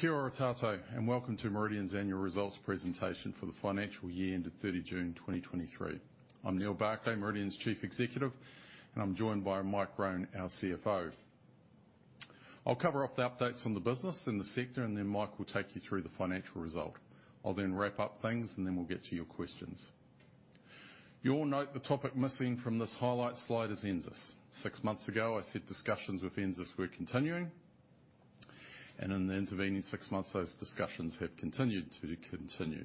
Kia ora tātou, and welcome to Meridian's annual results presentation for the financial year ended 30 June 2023. I'm Neal Barclay, Meridian's Chief Executive, and I'm joined by Mike Roan, our CFO. I'll cover off the updates on the business and the sector, and then Mike will take you through the financial result. I'll then wrap up things, and then we'll get to your questions. You all note the topic missing from this highlight slide is NZAS. Six months ago, I said discussions with NZAS were continuing, and in the intervening six months, those discussions have continued to continue.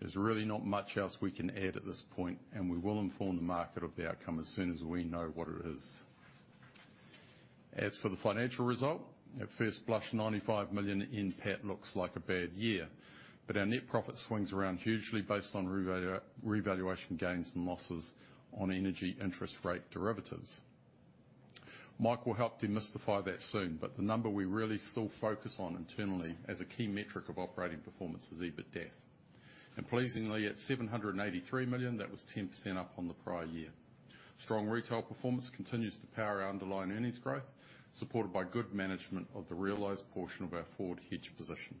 There's really not much else we can add at this point, and we will inform the market of the outcome as soon as we know what it is. As for the financial result, at first blush, 95 million NPAT looks like a bad year, but our net profit swings around hugely based on revaluation gains and losses on energy interest rate derivatives. Mike will help demystify that soon, but the number we really still focus on internally as a key metric of operating performance is EBITDAF, and pleasingly, at 783 million, that was 10% up on the prior year. Strong retail performance continues to power our underlying earnings growth, supported by good management of the realized portion of our forward hedge position.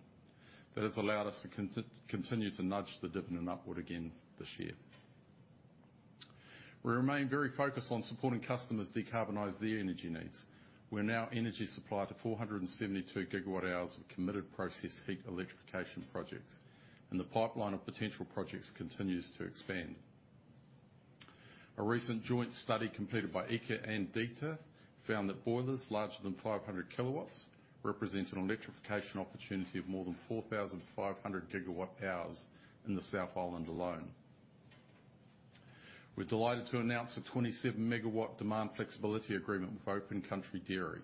That has allowed us to continue to nudge the dividend upward again this year. We remain very focused on supporting customers decarbonize their energy needs. We're now energy supplier to 472 GWh of committed process heat electrification projects, and the pipeline of potential projects continues to expand. A recent joint study completed by EECA and DETA found that boilers larger than 500 kW represent an electrification opportunity of more than 4,500 GWh in the South Island alone. We're delighted to announce a 27 MW demand flexibility agreement with Open Country Dairy.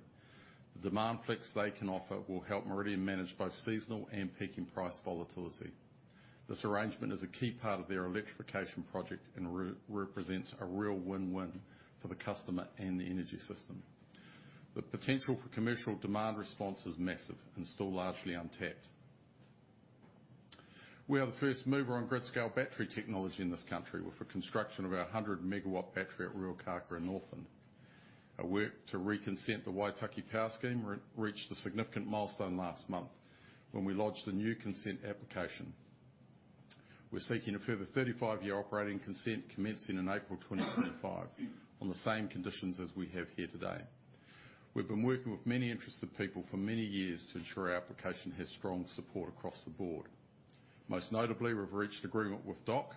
The demand flex they can offer will help Meridian manage both seasonal and peaking price volatility. This arrangement is a key part of their electrification project and represents a real win-win for the customer and the energy system. The potential for commercial demand response is massive and still largely untapped. We are the first mover on grid-scale battery technology in this country, with the construction of our 100 MW battery at Ruakākā in Northland. Our work to re-consent the Waitaki Power Scheme reached a significant milestone last month when we lodged a new consent application. We're seeking a further 35-year operating consent commencing in April 2025, on the same conditions as we have here today. We've been working with many interested people for many years to ensure our application has strong support across the board. Most notably, we've reached agreement with DOC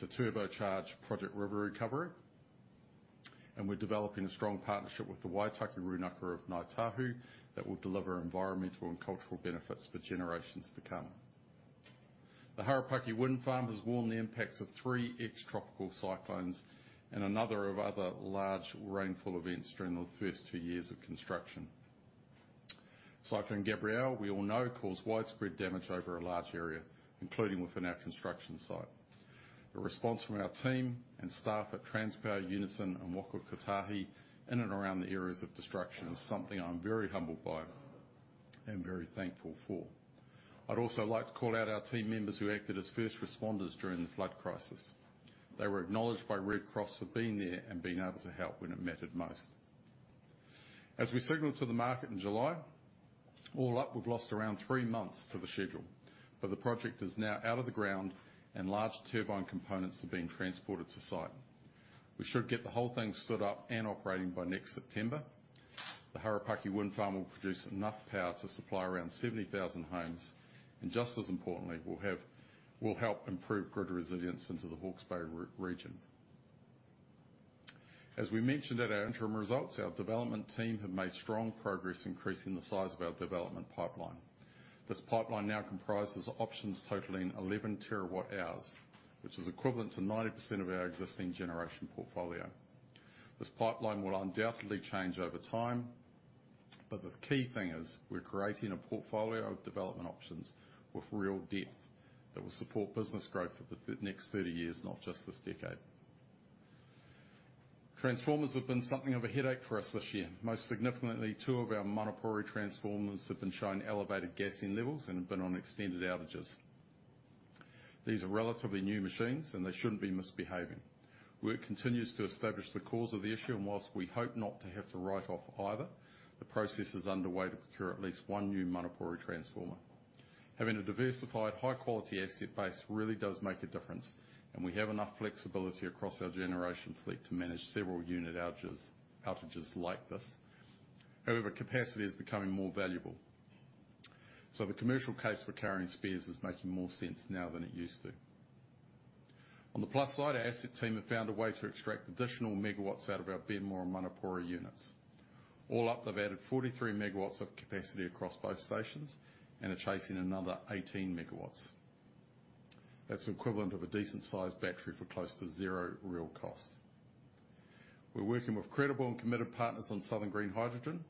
to turbocharge Project River Recovery, and we're developing a strong partnership with the Waitaki Rūnaka of Ngāi Tahu that will deliver environmental and cultural benefits for generations to come. The Harapaki Wind Farm has worn the impacts of three ex-tropical cyclones and another of other large rainfall events during the first two years of construction. Cyclone Gabrielle, we all know, caused widespread damage over a large area, including within our construction site. The response from our team and staff at Transpower, Unison and Waka Kotahi, in and around the areas of destruction, is something I'm very humbled by and very thankful for. I'd also like to call out our team members who acted as first responders during the flood crisis. They were acknowledged by Red Cross for being there and being able to help when it mattered most. As we signaled to the market in July, all up, we've lost around three months to the schedule, but the project is now out of the ground and large turbine components are being transported to site. We should get the whole thing stood up and operating by next September. The Harapaki Wind Farm will produce enough power to supply around 70,000 homes, and just as importantly, will help improve grid resilience into the Hawke's Bay region. As we mentioned at our interim results, our development team have made strong progress increasing the size of our development pipeline. This pipeline now comprises options totaling 11 TWh, which is equivalent to 90% of our existing generation portfolio. This pipeline will undoubtedly change over time, but the key thing is we're creating a portfolio of development options with real depth that will support business growth for the next 30 years, not just this decade. Transformers have been something of a headache for us this year. Most significantly, two of our Manapōuri transformers have been showing elevated gassing levels and have been on extended outages. These are relatively new machines, and they shouldn't be misbehaving. Work continues to establish the cause of the issue, and while we hope not to have to write off either, the process is underway to procure at least 1 new Manapōuri transformer. Having a diversified, high-quality asset base really does make a difference, and we have enough flexibility across our generation fleet to manage several unit outages, outages like this. However, capacity is becoming more valuable, so the commercial case for carrying spares is making more sense now than it used to. On the plus side, our asset team have found a way to extract additional megawatts out of our Benmore and Manapōuri units. All up, they've added 43 MW of capacity across both stations and are chasing another 18 MW. That's equivalent of a decent-sized battery for close to zero real cost. We're working with credible and committed partners on Southern Green Hydrogen.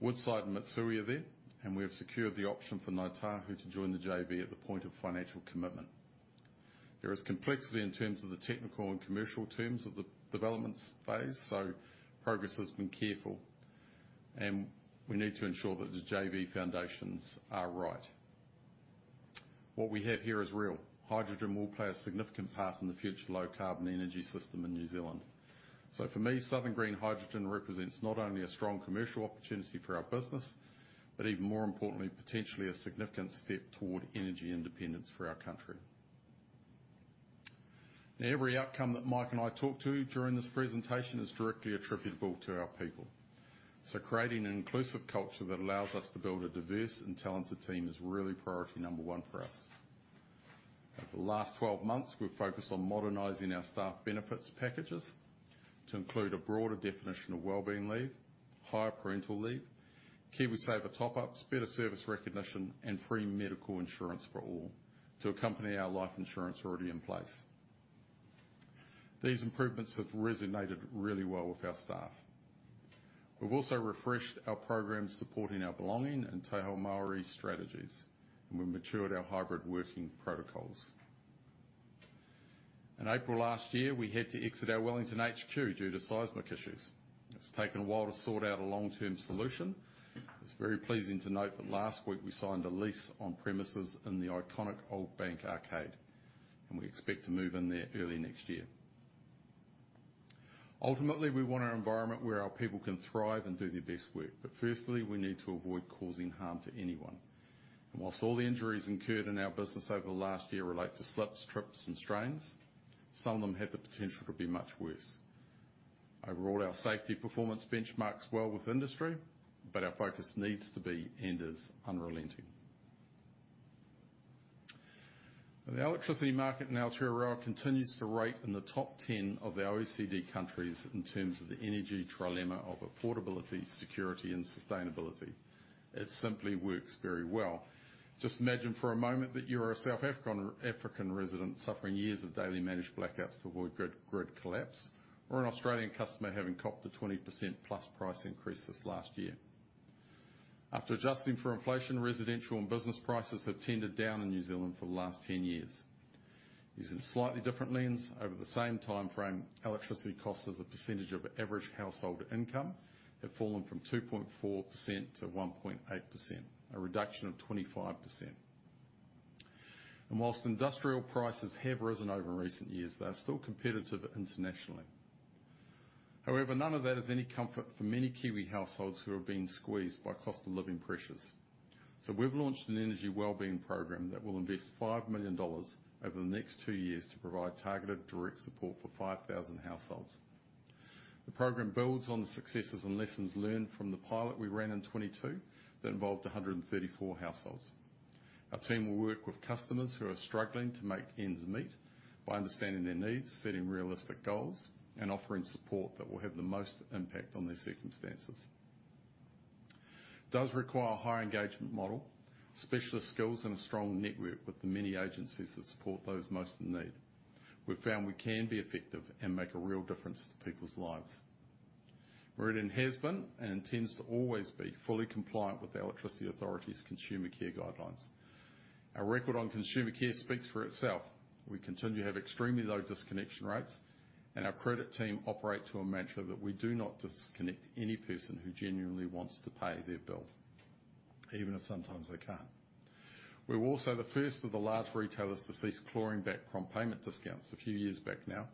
Woodside and Mitsui are there, and we have secured the option for Ngāi Tahu to join the JV at the point of financial commitment. There is complexity in terms of the technical and commercial terms of the development phase, so progress has been careful, and we need to ensure that the JV foundations are right. What we have here is real. Hydrogen will play a significant part in the future low carbon energy system in New Zealand. So for me, Southern Green Hydrogen represents not only a strong commercial opportunity for our business, but even more importantly, potentially a significant step toward energy independence for our country. Now, every outcome that Mike and I talk to during this presentation is directly attributable to our people. So creating an inclusive culture that allows us to build a diverse and talented team is really priority number one for us. Over the last 12 months, we've focused on modernizing our staff benefits packages to include a broader definition of well-being leave, higher parental leave, KiwiSaver top-ups, better service recognition, and free medical insurance for all to accompany our life insurance already in place. These improvements have resonated really well with our staff. We've also refreshed our program, supporting our Belonging and Te Ao Māori strategies, and we've matured our hybrid working protocols. In April last year, we had to exit our Wellington HQ due to seismic issues. It's taken a while to sort out a long-term solution. It's very pleasing to note that last week we signed a lease on premises in the iconic Old Bank Arcade, and we expect to move in there early next year. Ultimately, we want an environment where our people can thrive and do their best work, but firstly, we need to avoid causing harm to anyone. While all the injuries incurred in our business over the last year relate to slips, trips, and strains, some of them have the potential to be much worse. Overall, our safety performance benchmarks well with industry, but our focus needs to be, and is unrelenting. The electricity market in Aotearoa continues to rate in the top 10 of the OECD countries in terms of the energy trilemma of affordability, security, and sustainability. It simply works very well. Just imagine for a moment that you are a South African resident suffering years of daily managed blackouts to avoid grid collapse, or an Australian customer having copped a +20% price increase this last year. After adjusting for inflation, residential and business prices have tended down in New Zealand for the last 10 years. Using a slightly different lens, over the same timeframe, electricity costs as a percentage of average household income have fallen from 2.4% to 1.8%, a reduction of 25%. Whilst industrial prices have risen over recent years, they are still competitive internationally. However, none of that is any comfort for many Kiwi households who are being squeezed by cost of living pressures. So we've launched an Energy Wellbeing Programme that will invest 5 million dollars over the next two years to provide targeted, direct support for 5,000 households. The program builds on the successes and lessons learned from the pilot we ran in 2022 that involved 134 households. Our team will work with customers who are struggling to make ends meet by understanding their needs, setting realistic goals, and offering support that will have the most impact on their circumstances. It does require a higher engagement model, specialist skills, and a strong network with the many agencies that support those most in need. We've found we can be effective and make a real difference to people's lives. Meridian has been and intends to always be fully compliant with the Electricity Authority's Consumer Care Guidelines. Our record on consumer care speaks for itself. We continue to have extremely low disconnection rates, and our credit team operate to a mantra that we do not disconnect any person who genuinely wants to pay their bill, even if sometimes they can't. We were also the first of the large retailers to cease clawing back from payment discounts a few years back now,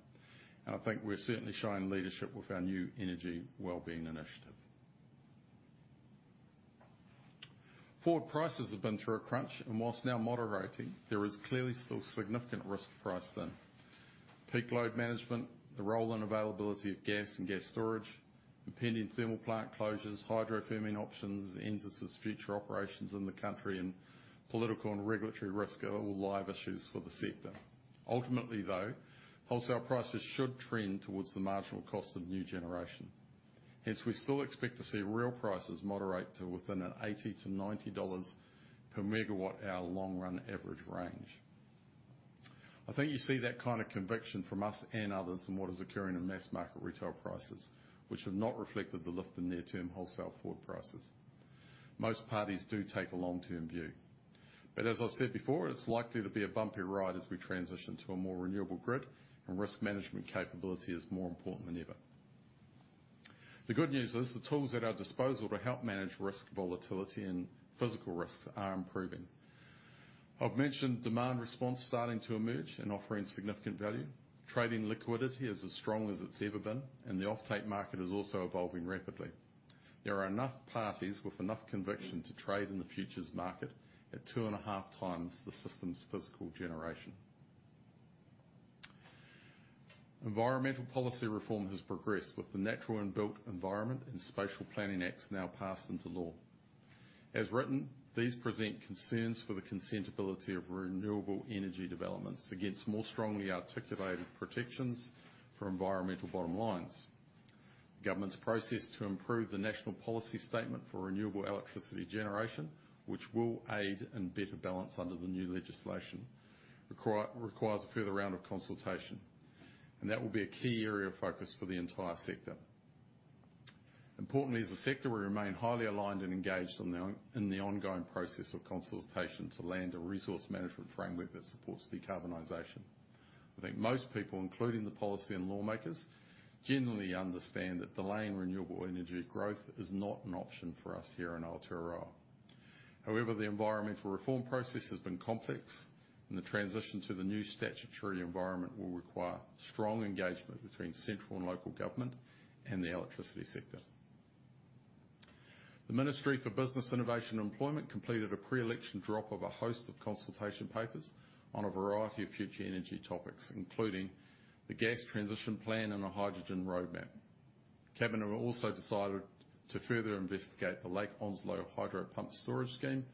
and I think we're certainly showing leadership with our new energy well-being initiative. Forward prices have been through a crunch, and whilst now moderating, there is clearly still significant risk priced in. Peak load management, the role and availability of gas and gas storage, impending thermal plant closures, hydro firming options, NZAS's future operations in the country, and political and regulatory risk are all live issues for the sector. Ultimately, though, wholesale prices should trend towards the marginal cost of new generation. Hence, we still expect to see real prices moderate to within an 80-90 dollars per megawatt-hour long run average range. I think you see that kind of conviction from us and others in what is occurring in mass market retail prices, which have not reflected the lift in near-term wholesale forward prices. Most parties do take a long-term view, but as I've said before, it's likely to be a bumpy ride as we transition to a more renewable grid, and risk management capability is more important than ever. The good news is, the tools at our disposal to help manage risk, volatility, and physical risks are improving. I've mentioned demand response starting to emerge and offering significant value. Trading liquidity is as strong as it's ever been, and the offtake market is also evolving rapidly. There are enough parties with enough conviction to trade in the futures market at 2.5x the system's physical generation. Environmental policy reform has progressed with the Natural and Built Environment and Spatial Planning Acts now passed into law. As written, these present concerns for the consent ability of renewable energy developments against more strongly articulated protections for environmental bottom lines. Government's process to improve the National Policy Statement for Renewable Electricity Generation, which will aid and better balance under the new legislation, requires a further round of consultation, and that will be a key area of focus for the entire sector. Importantly, as a sector, we remain highly aligned and engaged in the ongoing process of consultation to land a resource management framework that supports decarbonization. I think most people, including the policy and lawmakers, generally understand that delaying renewable energy growth is not an option for us here in Aotearoa. However, the environmental reform process has been complex, and the transition to the new statutory environment will require strong engagement between Central and local Government and the electricity sector. The Ministry for Business, Innovation and Employment completed a pre-election drop of a host of consultation papers on a variety of future energy topics, including the Gas Transition Plan and a Hydrogen Roadmap. Cabinet have also decided to further investigate the Lake Onslow hydro pump storage scheme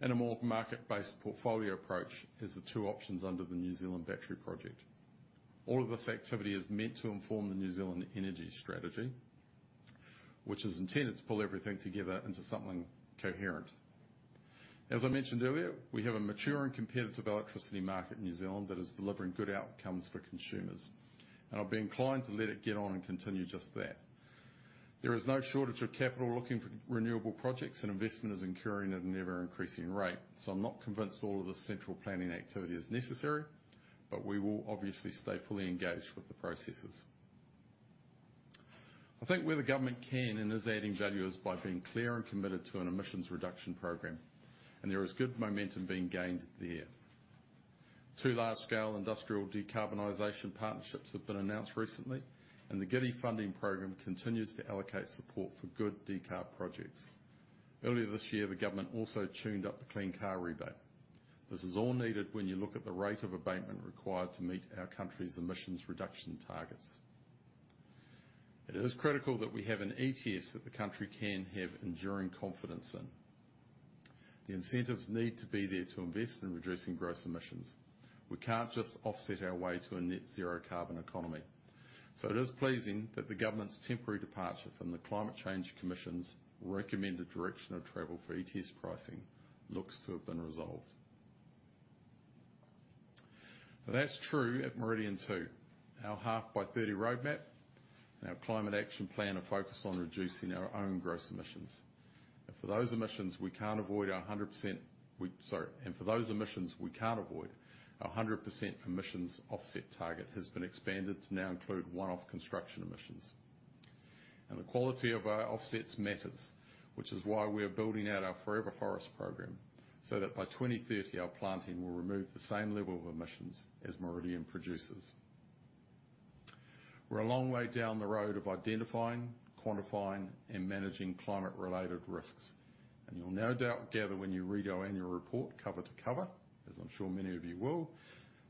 and a more market-based portfolio approach as the two options under the NZ Battery Project. All of this activity is meant to inform the NZ Energy Strategy, which is intended to pull everything together into something coherent. As I mentioned earlier, we have a mature and competitive electricity market in New Zealand that is delivering good outcomes for consumers, and I'll be inclined to let it get on and continue just that. There is no shortage of capital looking for renewable projects, and investment is incurring at an ever-increasing rate, so I'm not convinced all of the central planning activity is necessary, but we will obviously stay fully engaged with the processes. I think where the government can and is adding value is by being clear and committed to an emissions reduction program, and there is good momentum being gained there. Two large-scale industrial decarbonization partnerships have been announced recently, and the GIDI Funding Program continues to allocate support for good decarb projects. Earlier this year, the government also tuned up the Clean Car Rebate. This is all needed when you look at the rate of abatement required to meet our country's Emissions Reduction Targets. It is critical that we have an ETS that the country can have enduring confidence in. The incentives need to be there to invest in reducing gross emissions. We can't just offset our way to a net zero carbon economy. So it is pleasing that the government's temporary departure from the Climate Change Commission's recommended direction of travel for ETS pricing looks to have been resolved. But that's true at Meridian, too. Our Half by 30 roadmap and our Climate Action Plan are focused on reducing our own gross emissions. And for those emissions we can't avoid 100%, our 100% emissions offset target has been expanded to now include one-off construction emissions. And the quality of our offsets matters, which is why we are building out our Forever Forests program, so that by 2030, our planting will remove the same level of emissions as Meridian produces. We're a long way down the road of identifying, quantifying, and managing climate-related risks, and you'll no doubt gather when you read our annual report cover to cover, as I'm sure many of you will,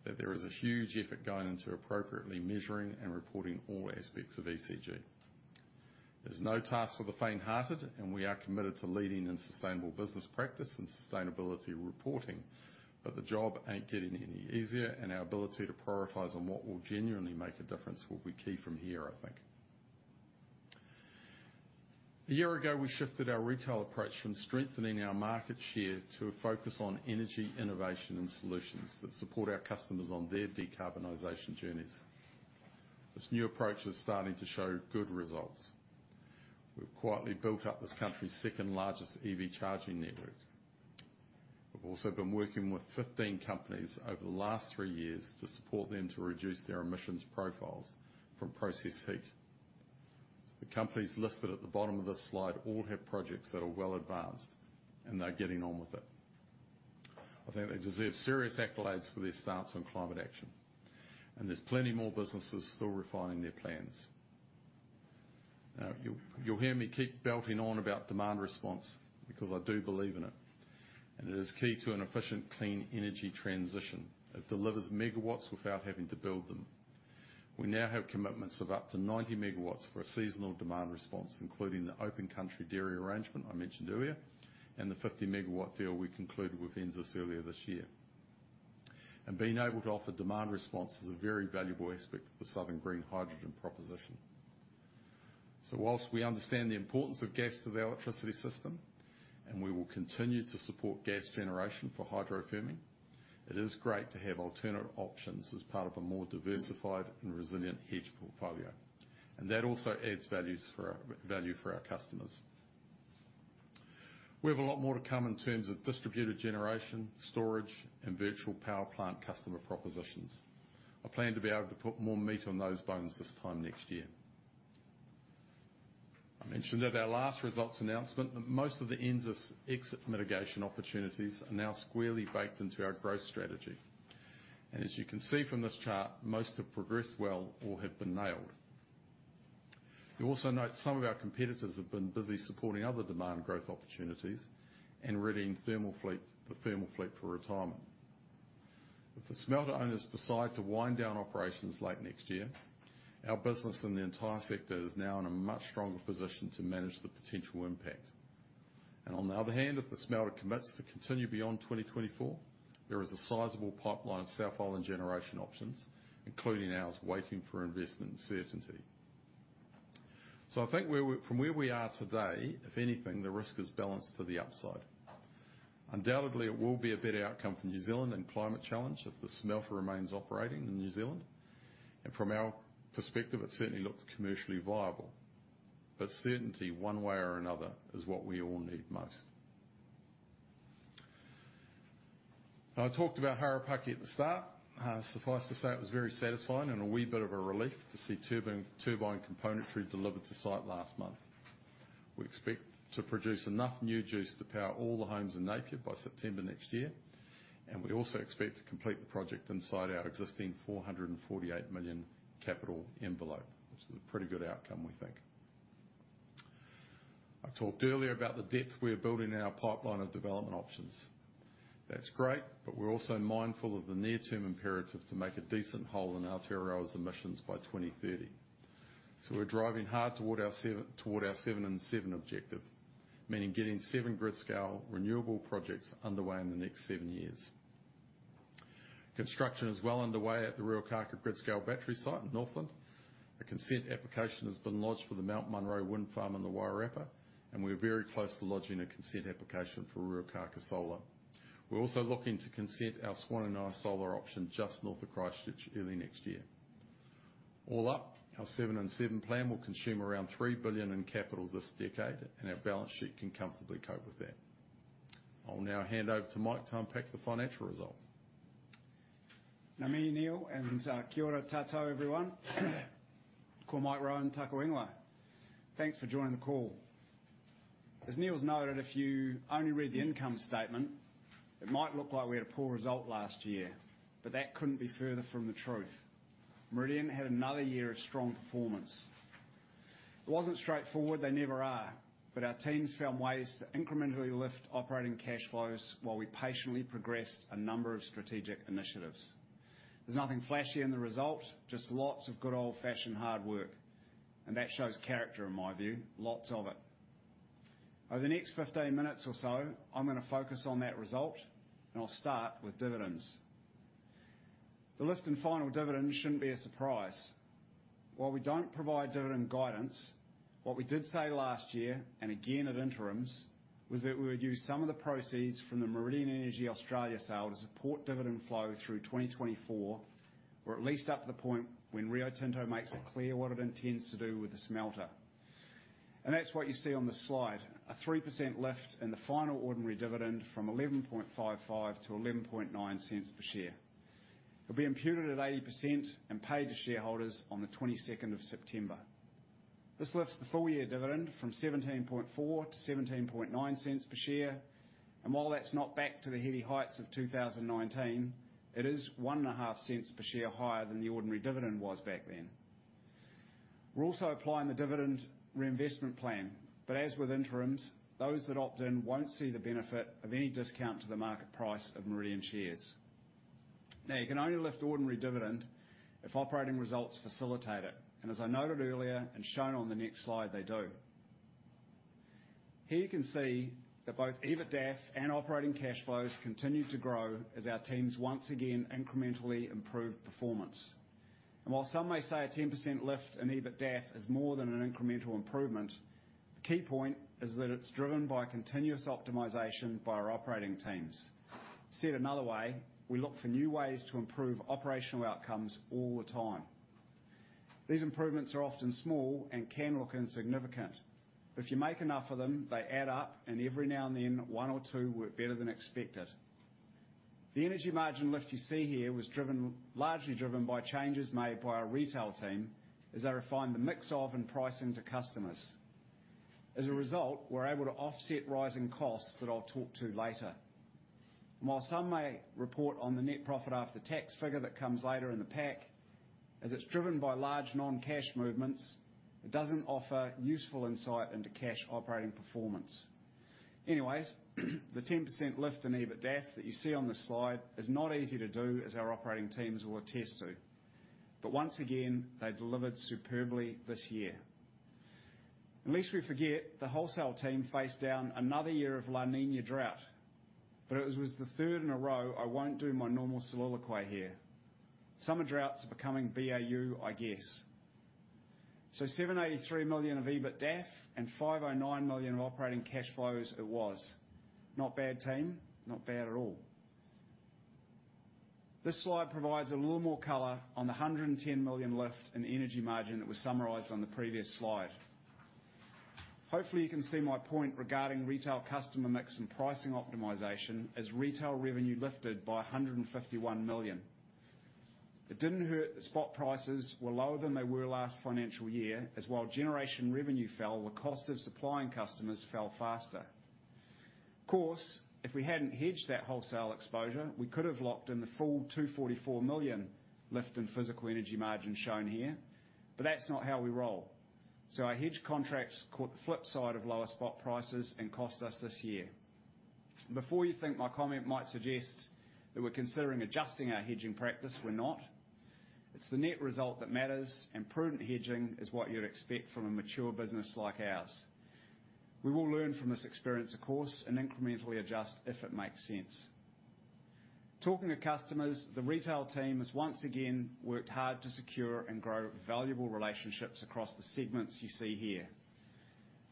that there is a huge effort going into appropriately measuring and reporting all aspects of ESG. There's no task for the faint-hearted, and we are committed to leading in sustainable business practice and sustainability reporting. But the job ain't getting any easier, and our ability to prioritize on what will genuinely make a difference will be key from here, I think. A year ago, we shifted our retail approach from strengthening our market share to a focus on energy innovation and solutions that support our customers on their decarbonization journeys. This new approach is starting to show good results. We've quietly built up this country's second-largest EV charging network. We've also been working with 15 companies over the last three years to support them to reduce their emissions profiles from process heat. The companies listed at the bottom of this slide all have projects that are well advanced, and they're getting on with it. I think they deserve serious accolades for their stance on Climate Action, and there's plenty more businesses still refining their plans. Now, you'll, you'll hear me keep belting on about demand response because I do believe in it, and it is key to an efficient, clean energy transition that delivers megawatts without having to build them. We now have commitments of up to 90 MW for a seasonal demand response, including the Open Country Dairy arrangement I mentioned earlier, and the 50 MW deal we concluded with NZAS earlier this year. Being able to offer demand response is a very valuable aspect of the Southern Green Hydrogen proposition. While we understand the importance of gas to the electricity system, and we will continue to support gas generation for hydro firming, it is great to have alternate options as part of a more diversified and resilient hedge portfolio. That also adds value for our customers. We have a lot more to come in terms of distributed generation, storage, and virtual power plant customer propositions. I plan to be able to put more meat on those bones this time next year. I mentioned at our last results announcement that most of the NZAS exit mitigation opportunities are now squarely baked into our growth strategy. As you can see from this chart, most have progressed well or have been nailed. You'll also note some of our competitors have been busy supporting other demand growth opportunities and readying thermal fleet, the thermal fleet for retirement. If the smelter owners decide to wind down operations late next year, our business and the entire sector is now in a much stronger position to manage the potential impact. On the other hand, if the smelter commits to continue beyond 2024, there is a sizable pipeline of South Island generation options, including ours, waiting for investment and certainty. So I think from where we are today, if anything, the risk is balanced to the upside. Undoubtedly, it will be a better outcome for New Zealand and climate challenge if the smelter remains operating in New Zealand, and from our perspective, it certainly looks commercially viable. But certainty, one way or another, is what we all need most. I talked about Harapaki at the start. Suffice to say, it was very satisfying and a wee bit of a relief to see turbine, turbine componentry delivered to site last month. We expect to produce enough new juice to power all the homes in Napier by September next year, and we also expect to complete the project inside our existing 448 million capital envelope, which is a pretty good outcome, we think. I talked earlier about the depth we are building in our pipeline of development options. That's great, but we're also mindful of the near-term imperative to make a decent hole in Aotearoa's emissions by 2030. So we're driving hard toward our toward our 7 and 7 objective, meaning getting 7 grid-scale renewable projects underway in the next seven years. Construction is well underway at the Ruakākā grid-scale battery site in Northland. A consent application has been lodged for the Mount Munro Wind Farm in the Wairarapa, and we are very close to lodging a consent application for Ruakākā Solar. We're also looking to consent our Swannanoa Solar option just north of Christchurch early next year. All up, our seven and seven plan will consume around 3 billion in capital this decade, and our balance sheet can comfortably cope with that. I'll now hand over to Mike to unpack the financial result. Ngā mihi, Neal, and kia ora tātou, everyone. Ko Mike Roan tōku ingoa. Thanks for joining the call. As Neal's noted, if you only read the income statement, it might look like we had a poor result last year, but that couldn't be further from the truth. Meridian had another year of strong performance. It wasn't straightforward, they never are, but our teams found ways to incrementally lift operating cash flows while we patiently progressed a number of strategic initiatives. There's nothing flashy in the result, just lots of good old-fashioned hard work, and that shows character, in my view, lots of it. Over the next 15 minutes or so, I'm gonna focus on that result, and I'll start with dividends. The lift in final dividend shouldn't be a surprise. While we don't provide dividend guidance, what we did say last year, and again at interims, was that we would use some of the proceeds from the Meridian Energy Australia sale to support dividend flow through 2024, or at least up to the point when Rio Tinto makes it clear what it intends to do with the smelter. That's what you see on the slide, a 3% lift in the final ordinary dividend from 0.1155-0.119 per share. It'll be imputed at 80% and paid to shareholders on the 22nd of September. This lifts the full year dividend from 0.174 to 0.179 per share, and while that's not back to the heady heights of 2019, it is 0.015 per share higher than the ordinary dividend was back then. We're also applying the dividend reinvestment plan, but as with interims, those that opt in won't see the benefit of any discount to the market price of Meridian shares. Now, you can only lift ordinary dividend if operating results facilitate it, and as I noted earlier, and shown on the next slide, they do. Here you can see that both EBITDAF and operating cash flows continued to grow as our teams once again incrementally improved performance. While some may say a 10% lift in EBITDAF is more than an incremental improvement, the key point is that it's driven by continuous optimization by our operating teams. Said another way, we look for new ways to improve operational outcomes all the time. These improvements are often small and can look insignificant, but if you make enough of them, they add up, and every now and then, one or two work better than expected. The energy margin lift you see here was largely driven by changes made by our retail team as they refined the mix of and pricing to customers. As a result, we're able to offset rising costs that I'll talk to later. While some may report on the net profit after tax figure that comes later in the pack, as it's driven by large non-cash movements, it doesn't offer useful insight into cash operating performance. Anyways, the 10% lift in EBITDAF that you see on this slide is not easy to do, as our operating teams will attest to. But once again, they delivered superbly this year. And lest we forget, the wholesale team faced down another year of La Niña drought, but as it was the third in a row, I won't do my normal soliloquy here. Summer droughts are becoming BAU, I guess. So 783 million of EBITDAF and 509 million of operating cash flows it was. Not bad, team. Not bad at all. This slide provides a little more color on the 110 million lift in energy margin that was summarized on the previous slide. Hopefully, you can see my point regarding retail customer mix and pricing optimization as retail revenue lifted by 151 million. It didn't hurt that spot prices were lower than they were last financial year, as while generation revenue fell, the cost of supplying customers fell faster. Of course, if we hadn't hedged that wholesale exposure, we could have locked in the full 244 million lift in physical energy margins shown here, but that's not how we roll. So our hedge contracts caught the flip side of lower spot prices and cost us this year. Before you think my comment might suggest that we're considering adjusting our hedging practice, we're not. It's the net result that matters, and prudent hedging is what you'd expect from a mature business like ours. We will learn from this experience, of course, and incrementally adjust if it makes sense. Talking to customers, the retail team has once again worked hard to secure and grow valuable relationships across the segments you see here.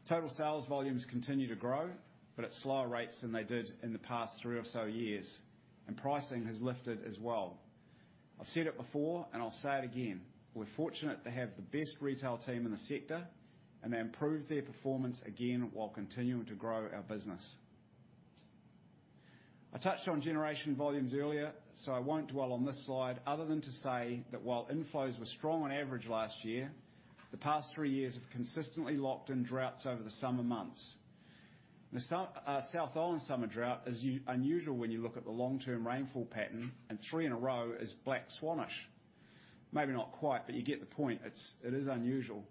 Total sales volumes continue to grow, but at slower rates than they did in the past three or so years, and pricing has lifted as well. I've said it before, and I'll say it again, we're fortunate to have the best retail team in the sector, and they improved their performance again while continuing to grow our business. I touched on generation volumes earlier, so I won't dwell on this slide other than to say that while inflows were strong on average last year, the past three years have consistently locked in droughts over the summer months. The South Island summer drought is unusual when you look at the long-term rainfall pattern, and three in a row is black swannish. Maybe not quite, but you get the point. It is unusual.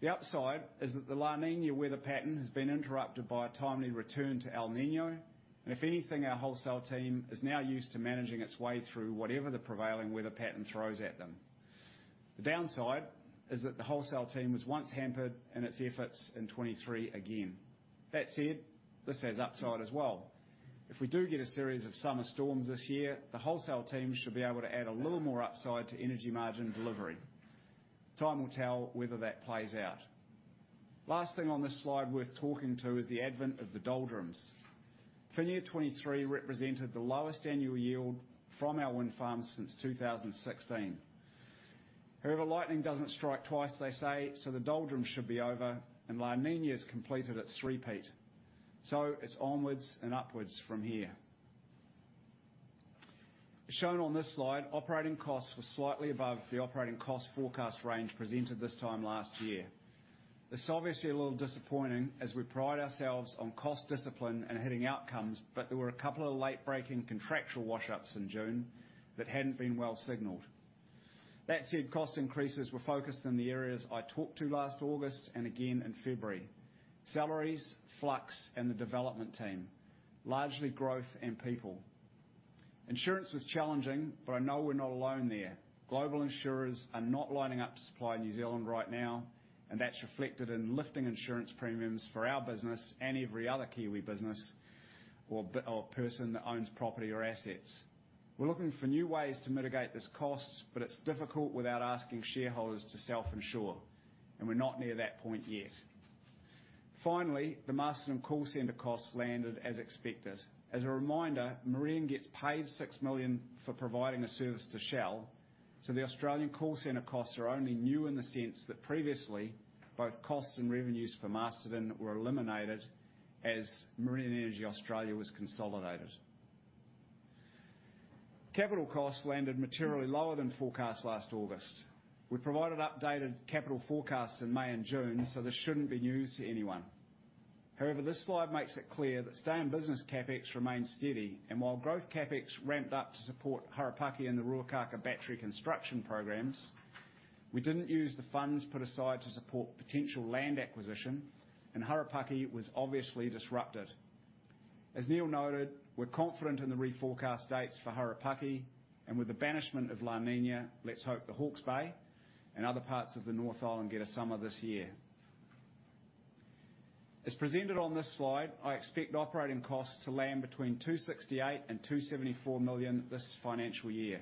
The upside is that the La Niña weather pattern has been interrupted by a timely return to El Niño, and if anything, our wholesale team is now used to managing its way through whatever the prevailing weather pattern throws at them. The downside is that the wholesale team was once hampered in its efforts in 2023 again. That said, this has upside as well. If we do get a series of summer storms this year, the wholesale team should be able to add a little more upside to energy margin delivery. Time will tell whether that plays out. Last thing on this slide worth talking to is the advent of the doldrums. FY 2023 represented the lowest annual yield from our wind farms since 2016. However, lightning doesn't strike twice, they say, so the doldrums should be over, and La Niña has completed its three-peat. So it's onwards and upwards from here. As shown on this slide, operating costs were slightly above the operating cost forecast range presented this time last year. This is obviously a little disappointing, as we pride ourselves on cost discipline and hitting outcomes, but there were a couple of late-breaking contractual wash-ups in June that hadn't been well signaled. That said, cost increases were focused in the areas I talked to last August and again in February. Salaries, Flux, and the development team, largely growth and people. Insurance was challenging, but I know we're not alone there. Global insurers are not lining up to supply New Zealand right now, and that's reflected in lifting insurance premiums for our business and every other Kiwi business or person that owns property or assets. We're looking for new ways to mitigate this cost, but it's difficult without asking shareholders to self-insure, and we're not near that point yet. Finally, the Masterton call center costs landed as expected. As a reminder, Meridian gets paid 6 million for providing a service to Shell, so the Australian call center costs are only new in the sense that previously, both costs and revenues for Masterton were eliminated as Meridian Energy Australia was consolidated. Capital costs landed materially lower than forecast last August. We provided updated capital forecasts in May and June, so this shouldn't be news to anyone. However, this slide makes it clear that stay-in business CapEx remains steady, and while growth CapEx ramped up to support Harapaki and the Ruakākā battery construction programs, we didn't use the funds put aside to support potential land acquisition, and Harapaki was obviously disrupted. As Neal noted, we're confident in the reforecast dates for Harapaki, and with the banishment of La Niña, let's hope the Hawke's Bay and other parts of the North Island get a summer this year. As presented on this slide, I expect operating costs to land between 268 million and 274 million this financial year.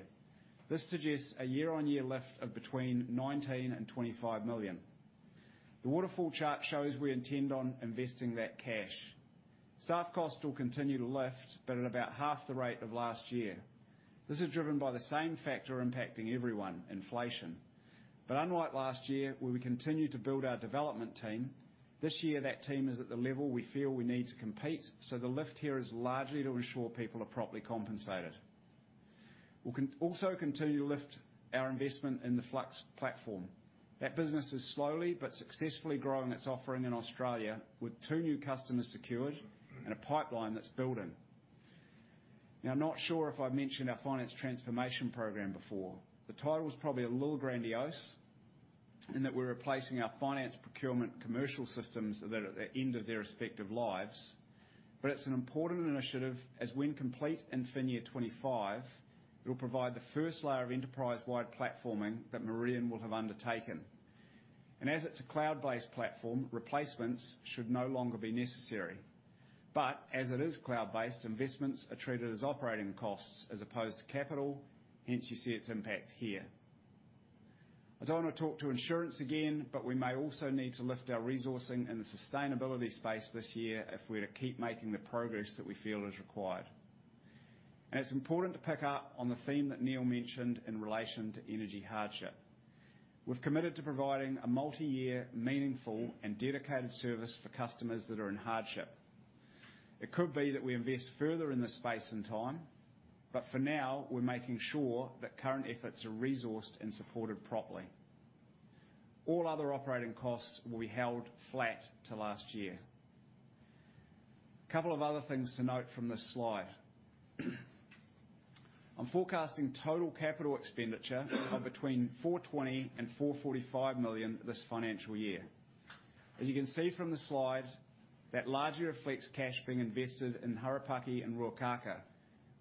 This suggests a year-on-year lift of between 19 million and 25 million. The waterfall chart shows we intend on investing that cash. Staff costs will continue to lift, but at about half the rate of last year. This is driven by the same factor impacting everyone, inflation. But unlike last year, where we continued to build our development team, this year that team is at the level we feel we need to compete, so the lift here is largely to ensure people are properly compensated. We'll also continue to lift our investment in the Flux platform. That business is slowly but successfully growing its offering in Australia, with two new customers secured and a pipeline that's building. Now, I'm not sure if I've mentioned our finance transformation program before. The title was probably a little grandiose, in that we're replacing our finance procurement commercial systems that are at the end of their respective lives. But it's an important initiative, as when complete in FY 2025 it will provide the first layer of enterprise-wide platforming that Meridian will have undertaken. And as it's a cloud-based platform, replacements should no longer be necessary. But as it is cloud-based, investments are treated as operating costs as opposed to capital. Hence, you see its impact here. I don't want to talk to insurance again, but we may also need to lift our resourcing in the sustainability space this year if we're to keep making the progress that we feel is required. And it's important to pick up on the theme that Neil mentioned in relation to energy hardship. We've committed to providing a multi-year, meaningful, and dedicated service for customers that are in hardship. It could be that we invest further in this space and time, but for now, we're making sure that current efforts are resourced and supported properly. All other operating costs will be held flat to last year. A couple of other things to note from this slide. I'm forecasting total capital expenditure of between 420 million and 445 million this financial year. As you can see from the slide, that largely reflects cash being invested in Harapaki and Ruakākā,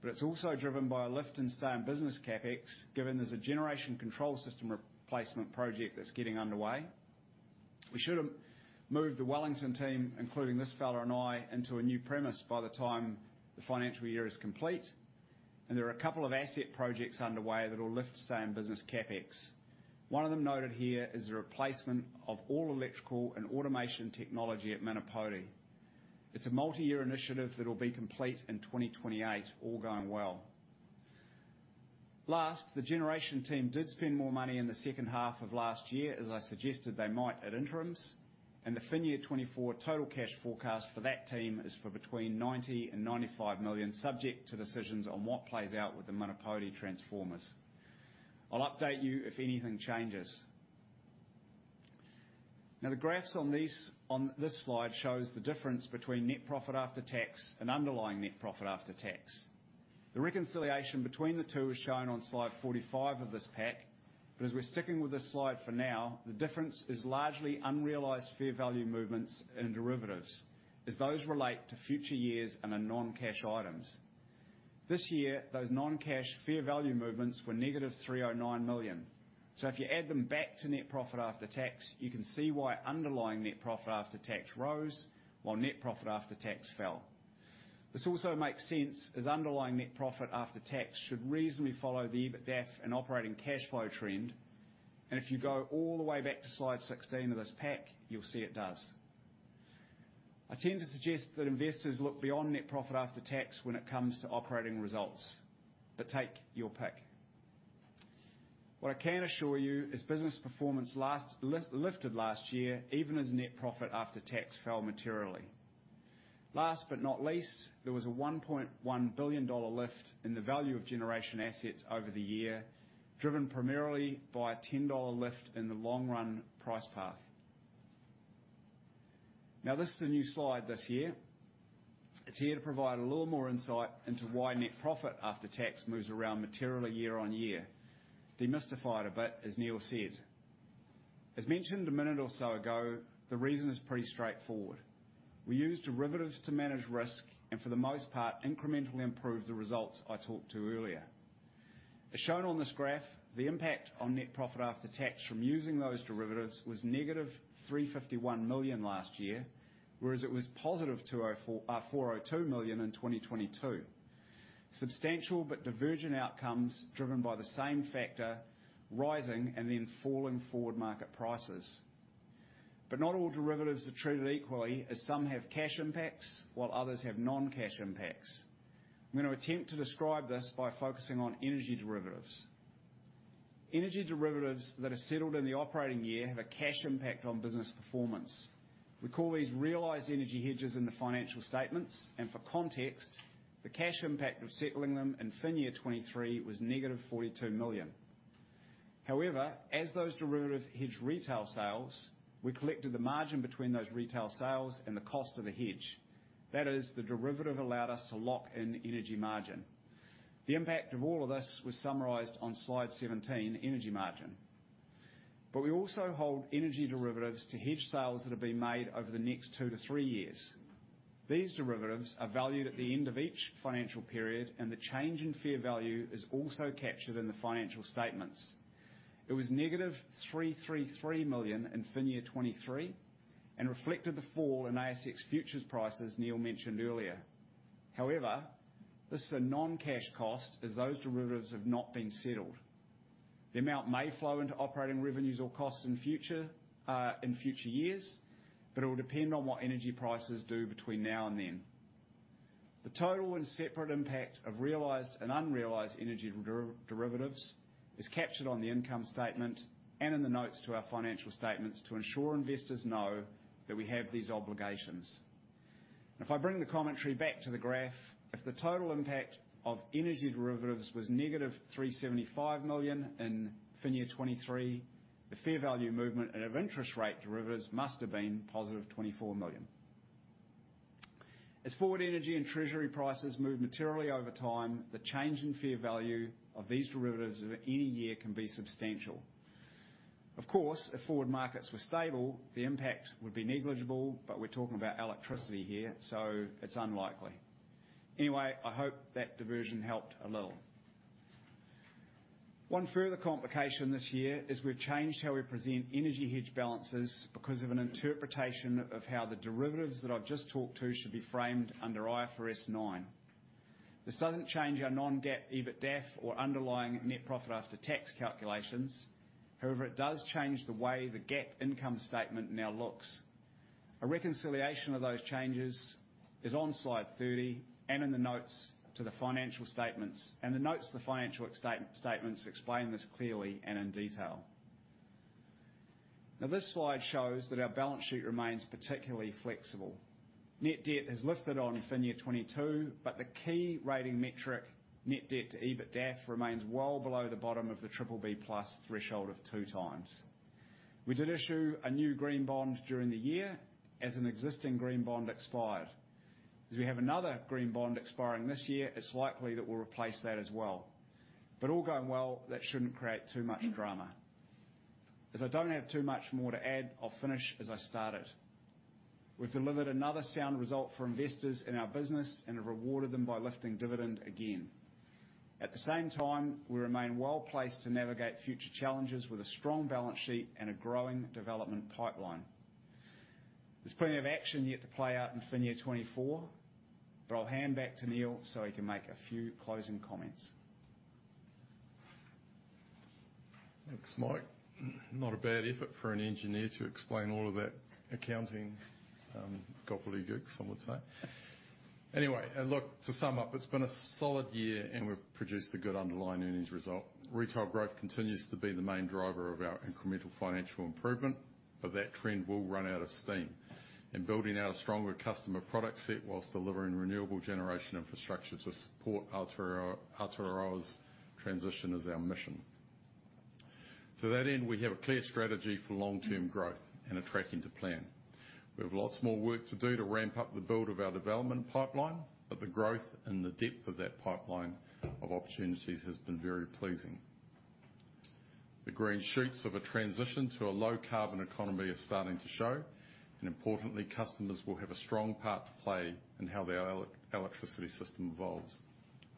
but it's also driven by a lift in stay-in-business CapEx, given there's a generation control system replacement project that's getting underway. We should have moved the Wellington team, including this fellow and I, into new premises by the time the financial year is complete, and there are a couple of asset projects underway that will lift stay-in-business CapEx. One of them noted here is the replacement of all electrical and automation technology at Manapōuri. It's a multi-year initiative that will be complete in 2028, all going well. Last, the generation team did spend more money in the second half of last year, as I suggested they might at interims, and the FY 2024 total cash forecast for that team is for between 90 million and 95 million, subject to decisions on what plays out with the Manapōuri transformers. I'll update you if anything changes. Now, the graphs on these, on this slide shows the difference between net profit after tax and underlying net profit after tax. The reconciliation between the two is shown on Slide 45 of this pack, but as we're sticking with this slide for now, the difference is largely unrealized fair value movements and derivatives, as those relate to future years and are non-cash items. This year, those non-cash fair value movements were 309 million. So if you add them back to net profit after tax, you can see why underlying net profit after tax rose, while net profit after tax fell. This also makes sense, as underlying net profit after tax should reasonably follow the EBITDAF and operating cash flow trend. If you go all the way back to slide 16 of this pack, you'll see it does. I tend to suggest that investors look beyond net profit after tax when it comes to operating results, but take your pick. What I can assure you is business performance last year lifted last year, even as net profit after tax fell materially. Last but not least, there was a 1.1 billion dollar lift in the value of generation assets over the year, driven primarily by a 10 dollar lift in the long-run price path. Now, this is a new slide this year. It's here to provide a little more insight into why net profit after tax moves around materially year-on-year. Demystified a bit, as Neal said. As mentioned a minute or so ago, the reason is pretty straightforward. We use derivatives to manage risk, and for the most part, incrementally improve the results I talked to earlier. As shown on this graph, the impact on net profit after tax from using those derivatives was negative 351 million last year, whereas it was positive 402 million in 2022. Substantial but divergent outcomes driven by the same factor, rising and then falling forward market prices. But not all derivatives are treated equally, as some have cash impacts, while others have non-cash impacts. I'm going to attempt to describe this by focusing on energy derivatives. Energy derivatives that are settled in the operating year have a cash impact on business performance. We call these realized energy hedges in the financial statements, and for context, the cash impact of settling them in FY 2023 was negative 42 million. However, as those derivative hedge retail sales, we collected the margin between those retail sales and the cost of the hedge. That is, the derivative allowed us to lock in energy margin. The impact of all of this was summarized on Slide 17: Energy Margin. But we also hold energy derivatives to hedge sales that have been made over the next two and three years. These derivatives are valued at the end of each financial period, and the change in fair value is also captured in the financial statements. It was -333 million in FY 2023 and reflected the fall in ASX futures prices, Neal mentioned earlier. However, this is a non-cash cost, as those derivatives have not been settled. The amount may flow into operating revenues or costs in future, in future years, but it will depend on what energy prices do between now and then. The total and separate impact of realized and unrealized energy derivatives is captured on the income statement and in the notes to our financial statements to ensure investors know that we have these obligations. If I bring the commentary back to the graph, if the total impact of energy derivatives was -375 million in FY 2023, the fair value movement and of interest rate derivatives must have been +24 million. As forward energy and treasury prices move materially over time, the change in fair value of these derivatives of any year can be substantial. Of course, if forward markets were stable, the impact would be negligible, but we're talking about electricity here, so it's unlikely. Anyway, I hope that diversion helped a little. One further complication this year is we've changed how we present energy hedge balances because of an interpretation of how the derivatives that I've just talked to should be framed under IFRS 9. This doesn't change our non-GAAP, EBITDAF, or underlying net profit after tax calculations. However, it does change the way the GAAP income statement now looks. A reconciliation of those changes is on slide 30 and in the notes to the financial statements, and the notes to the financial statements explain this clearly and in detail. Now, this slide shows that our balance sheet remains particularly flexible. Net debt has lifted in FY 2022, but the key rating metric, net debt to EBITDAF, remains well below the bottom of the BBB+ threshold of 2x. We did issue a new green bond during the year as an existing green bond expired. As we have another green bond expiring this year, it's likely that we'll replace that as well. But all going well, that shouldn't create too much drama. As I don't have too much more to add, I'll finish as I started. We've delivered another sound result for investors in our business and have rewarded them by lifting dividend again. At the same time, we remain well-placed to navigate future challenges with a strong balance sheet and a growing development pipeline. There's plenty of action yet to play out in FY 2024, but I'll hand back to Neal so he can make a few closing comments. Thanks, Mike. Not a bad effort for an engineer to explain all of that accounting gobbledygook, I would say. Anyway, and look, to sum up, it's been a solid year, and we've produced a good underlying earnings result. Retail growth continues to be the main driver of our incremental financial improvement, but that trend will run out of steam. Building out a stronger customer product set while delivering renewable generation infrastructure to support Aotearoa, Aotearoa's transition is our mission. To that end, we have a clear strategy for long-term growth and are tracking to plan. We have lots more work to do to ramp up the build of our development pipeline, but the growth and the depth of that pipeline of opportunities has been very pleasing. The green shoots of a transition to a low-carbon economy are starting to show, and importantly, customers will have a strong part to play in how their electricity system evolves.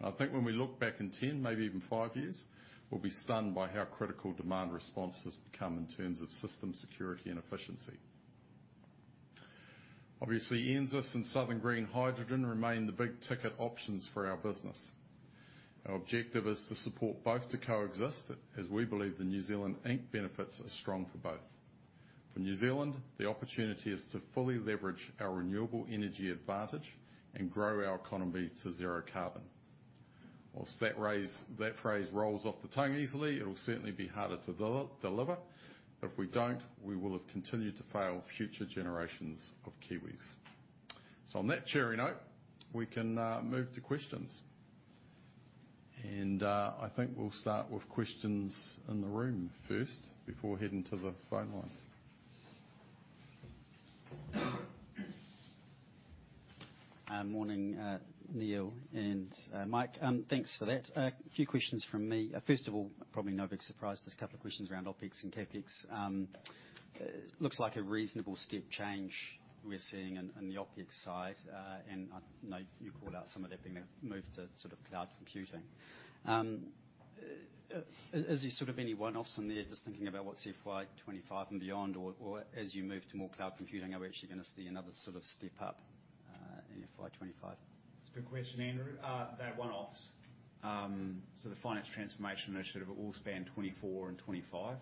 I think when we look back in 10, maybe even 5 years, we'll be stunned by how critical demand responses become in terms of system security and efficiency. Obviously, NZAS and Southern Green Hydrogen remain the big-ticket options for our business. Our objective is to support both to coexist, as we believe the New Zealand Inc. benefits are strong for both. For New Zealand, the opportunity is to fully leverage our renewable energy advantage and grow our economy to zero carbon. While that phrase, that phrase rolls off the tongue easily, it'll certainly be harder to deliver. But if we don't, we will have continued to fail future generations of Kiwis. On that cheery note, we can move to questions. I think we'll start with questions in the room first, before heading to the phone lines. Morning, Neal and Mike. Thanks for that. A few questions from me. First of all, probably no big surprise, there's a couple of questions around OpEx and CapEx. Looks like a reasonable step change we're seeing in the OpEx side. And I know you called out some of that being a move to sort of cloud computing. Is there sort of any one-offs in there, just thinking about what's FY 2025 and beyond? Or as you move to more cloud computing, are we actually gonna see another sort of step-up in FY 2025? It's a good question, Andrew. They're one-offs. So the finance transformation initiative will span 2024 and 2025.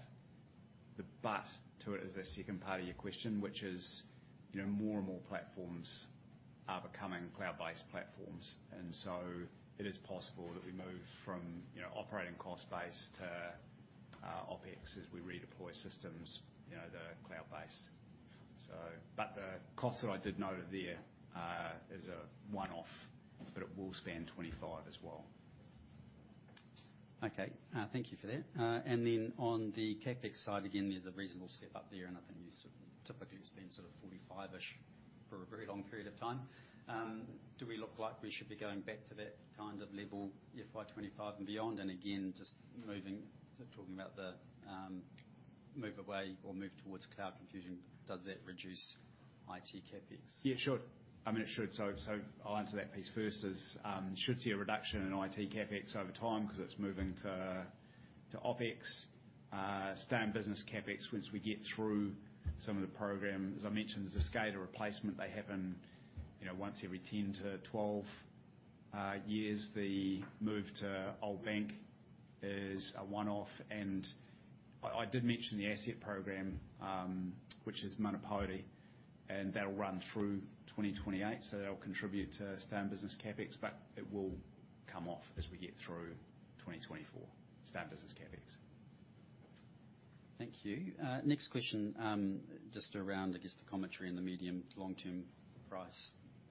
But to it is the second part of your question, which is, you know, more and more platforms are becoming cloud-based platforms, and so it is possible that we move from, you know, operating cost base to OpEx as we redeploy systems, you know, that are cloud-based. So but the cost that I did note there is a one-off, but it will span 2025 as well. Okay, thank you for that. Then on the CapEx side, again, there's a reasonable step up there, and I think you sort of typically spend sort of 45-ish for a very long period of time. Do we look like we should be going back to that kind of level FY 2025 and beyond? And again, just moving, talking about the move away or move towards cloud computing, does that reduce IT CapEx? Yeah, it should. I mean, it should. So, so I'll answer that piece first is, should see a reduction in IT CapEx over time, 'cause it's moving to, to OpEx, standard business CapEx once we get through some of the program. As I mentioned, the SCADA replacement, they happen, you know, once every 10-12 years. The move to Old Bank is a one-off, and I, I did mention the asset program, which is Manapōuri, and that'll run through 2028. So that'll contribute to standard business CapEx, but it will come off as we get through 2024, standard business CapEx. Thank you. Next question, just around I guess the commentary in the medium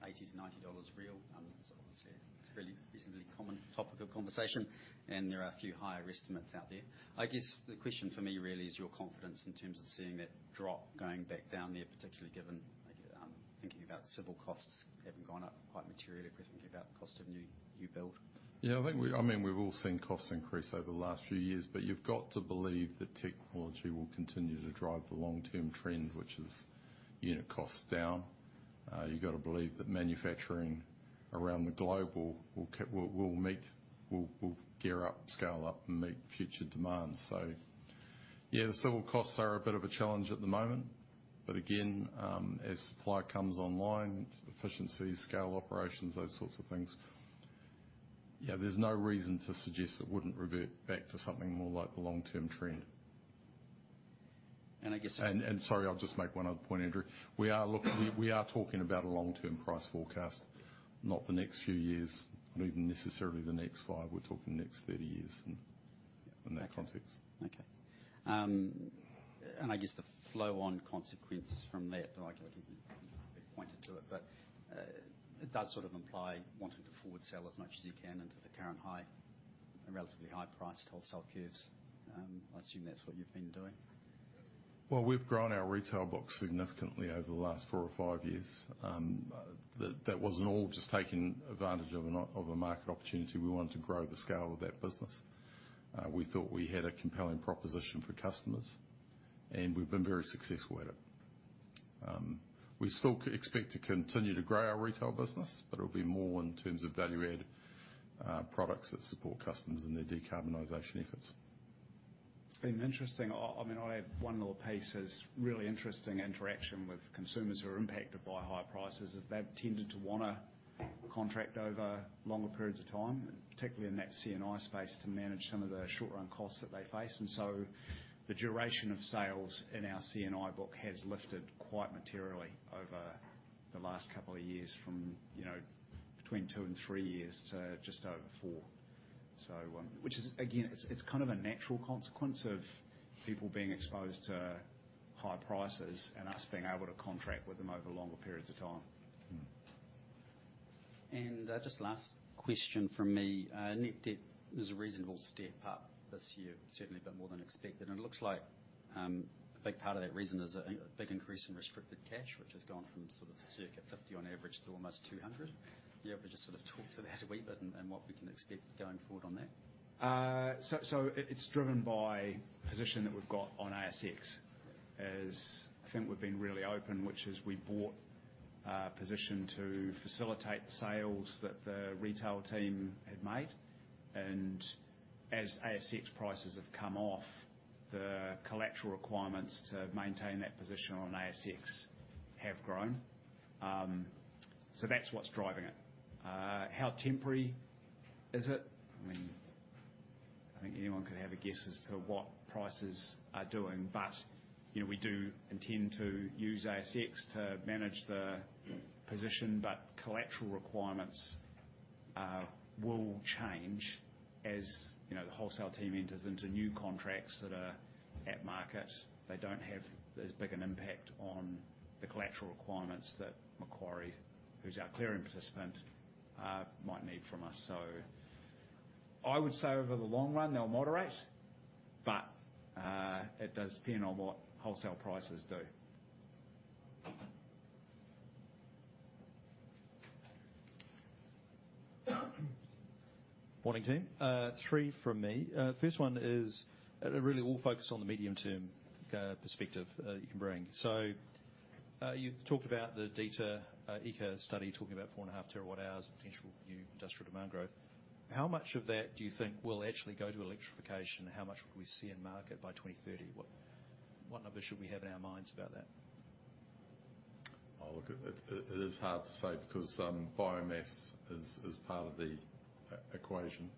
to long-term price, 80-90 dollars real. So obviously, it's a really reasonably common topic of conversation, and there are a few higher estimates out there. I guess the question for me, really, is your confidence in terms of seeing that drop going back down there, particularly given, thinking about civil costs having gone up quite materially if we think about the cost of new, new build. Yeah, I think we—I mean, we've all seen costs increase over the last few years, but you've got to believe that technology will continue to drive the long-term trend, which is, you know, cost down. You've got to believe that manufacturing around the globe will gear up, scale up, and meet future demands. So yeah, the civil costs are a bit of a challenge at the moment, but again, as supply comes online, efficiency, scale operations, those sorts of things, yeah, there's no reason to suggest it wouldn't revert back to something more like the long-term trend. And I guess- Sorry, I'll just make one other point, Andrew. We are... Look, we are talking about a long-term price forecast, not the next few years, not even necessarily the next 5. We're talking the next 30 years, in that context. Okay. And I guess the flow on consequence from that, like I think we pointed to it, but it does sort of imply wanting to forward sell as much as you can into the current high, a relatively high price wholesale curves. I assume that's what you've been doing? Well, we've grown our retail book significantly over the last four or five years. That wasn't all just taking advantage of a market opportunity. We wanted to grow the scale of that business. We thought we had a compelling proposition for customers, and we've been very successful at it. We still expect to continue to grow our retail business, but it'll be more in terms of value-add products that support customers and their decarbonization efforts. It's been interesting. I mean, I'll add one little piece as really interesting interaction with consumers who are impacted by higher prices, that they've tended to wanna contract over longer periods of time... particularly in that C&I space, to manage some of the short-run costs that they face. And so the duration of sales in our C&I book has lifted quite materially over the last couple of years from, you know, between 2 and 3 years to just over 4. So, which is, again, it's, it's kind of a natural consequence of people being exposed to high prices and us being able to contract with them over longer periods of time. Mm-hmm. And, just last question from me. Net debt is a reasonable step up this year, certainly a bit more than expected, and it looks like a big part of that reason is a big increase in restricted cash, which has gone from sort of circa 50 on average to almost 200. You able to just sort of talk to that a wee bit and what we can expect going forward on that? So it’s driven by position that we’ve got on ASX, as I think we’ve been really open, which is we bought a position to facilitate the sales that the retail team had made. And as ASX prices have come off, the collateral requirements to maintain that position on ASX have grown. So that’s what’s driving it. How temporary is it? I mean, I think anyone could have a guess as to what prices are doing, but, you know, we do intend to use ASX to manage the position, but collateral requirements will change. As you know, the wholesale team enters into new contracts that are at market, they don’t have as big an impact on the collateral requirements that Macquarie, who’s our clearing participant, might need from us. So I would say over the long run, they'll moderate, but it does depend on what wholesale prices do. Morning, team. Three from me. First one is, really all focused on the medium-term perspective you can bring. So, you've talked about the EECA study, talking about 4.5 TWh of potential new industrial demand growth. How much of that do you think will actually go to electrification? How much will we see in market by 2030? What number should we have in our minds about that? Oh, look, it is hard to say, because biomass is part of the equation.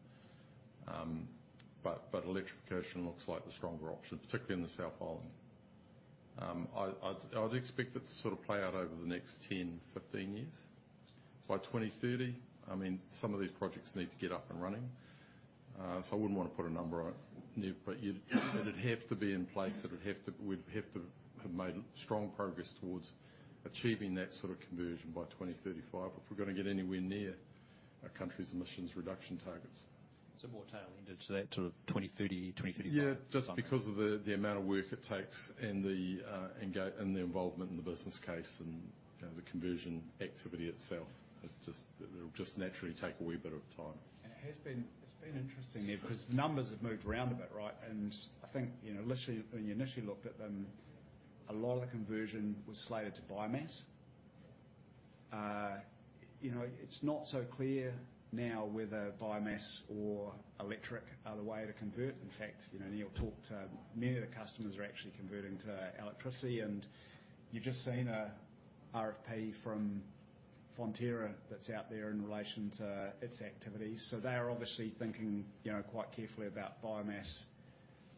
But electrification looks like the stronger option, particularly in the South Island. I'd expect it to sort of play out over the next 10, 15 years. By 2030, I mean, some of these projects need to get up and running. So I wouldn't want to put a number on it, Neal, but it'd have to be in place, it would have to, we'd have to have made strong progress towards achieving that sort of conversion by 2035 if we're going to get anywhere near our country's emissions reduction targets. So more tail end to that, sort of 2030, 2035- Yeah, just because of the amount of work it takes and the involvement in the business case, and, you know, the conversion activity itself. It just, it'll just naturally take a wee bit of time. It has been, it's been interesting, Neal, because the numbers have moved around a bit, right? And I think, you know, literally, when you initially looked at them, a lot of the conversion was slated to biomass. You know, it's not so clear now whether biomass or electric are the way to convert. In fact, you know, Neal talked, many of the customers are actually converting to electricity, and you've just seen a RFP from Fonterra that's out there in relation to its activities. So they are obviously thinking, you know, quite carefully about biomass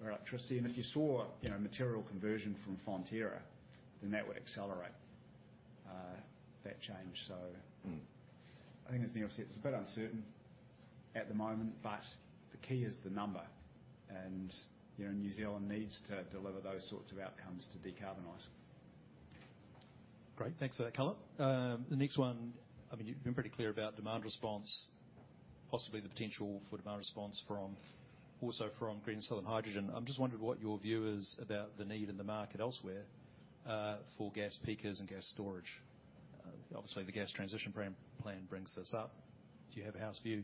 or electricity. And if you saw, you know, material conversion from Fonterra, then that would accelerate that change. So- Mm-hmm. I think as Neal said, it's a bit uncertain at the moment, but the key is the number. You know, New Zealand needs to deliver those sorts of outcomes to decarbonize. Great, thanks for that color. The next one, I mean, you've been pretty clear about demand response, possibly the potential for demand response from, also from Southern Green Hydrogen. I'm just wondering what your view is about the need in the market elsewhere, for gas peakers and gas storage. Obviously, the Gas Transition Plan brings this up. Do you have a house view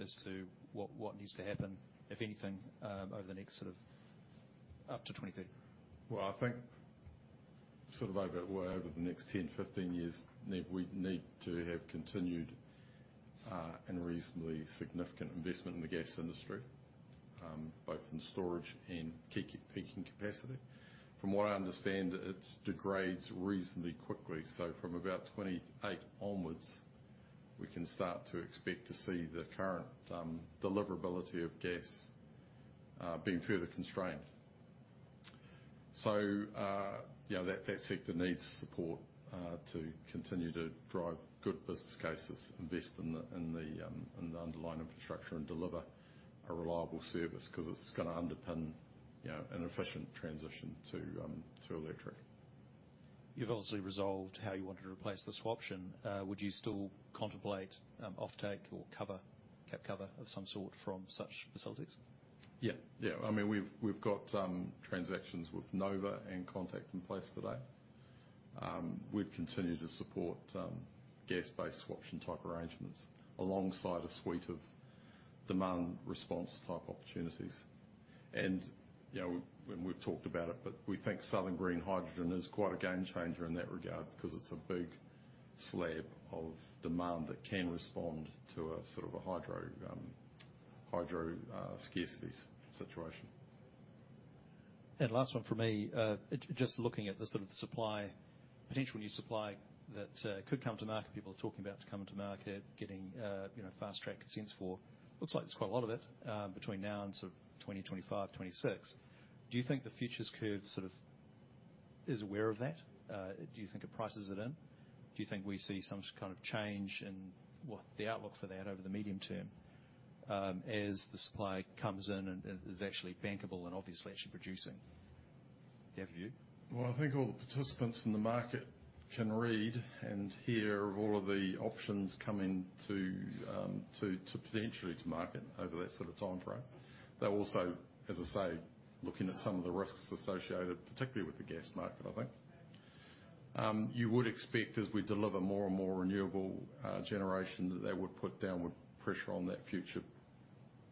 as to what needs to happen, if anything, over the next sort of up to 2030? Well, I think sort of over, well, over the next 10, 15 years, Neal, we need to have continued and reasonably significant investment in the gas industry, both in storage and peaking capacity. From what I understand, it degrades reasonably quickly. So from about 2028 onwards, we can start to expect to see the current deliverability of gas being further constrained. So, you know, that sector needs support to continue to drive good business cases, invest in the underlying infrastructure, and deliver a reliable service, 'cause it's gonna underpin, you know, an efficient transition to electric. You've obviously resolved how you want to replace the swap option. Would you still contemplate offtake or cover, cap cover of some sort from such facilities? Yeah. Yeah, I mean, we've got transactions with Nova and Contact in place today. We'd continue to support gas-based swap option type arrangements alongside a suite of demand response type opportunities. And, you know, and we've talked about it, but we think Southern Green Hydrogen is quite a game changer in that regard, 'cause it's a big slab of demand that can respond to a sort of a hydro scarcities situation. Last one for me. Just looking at the sort of supply, potential new supply that could come to market, people are talking about to come into market, getting you know fast track consents for. Looks like there's quite a lot of it between now and sort of 2025, 2026. Do you think the futures curve sort of is aware of that? Do you think it prices it in? Do you think we see some kind of change in what the outlook for that over the medium term, as the supply comes in and is actually bankable and obviously actually producing? Do you have a view? Well, I think all the participants in the market can read and hear all of the options coming to potentially to market over that sort of time frame. They're also, as I say, looking at some of the risks associated, particularly with the gas market, I think. You would expect as we deliver more and more renewable generation, that they would put downward pressure on that futures,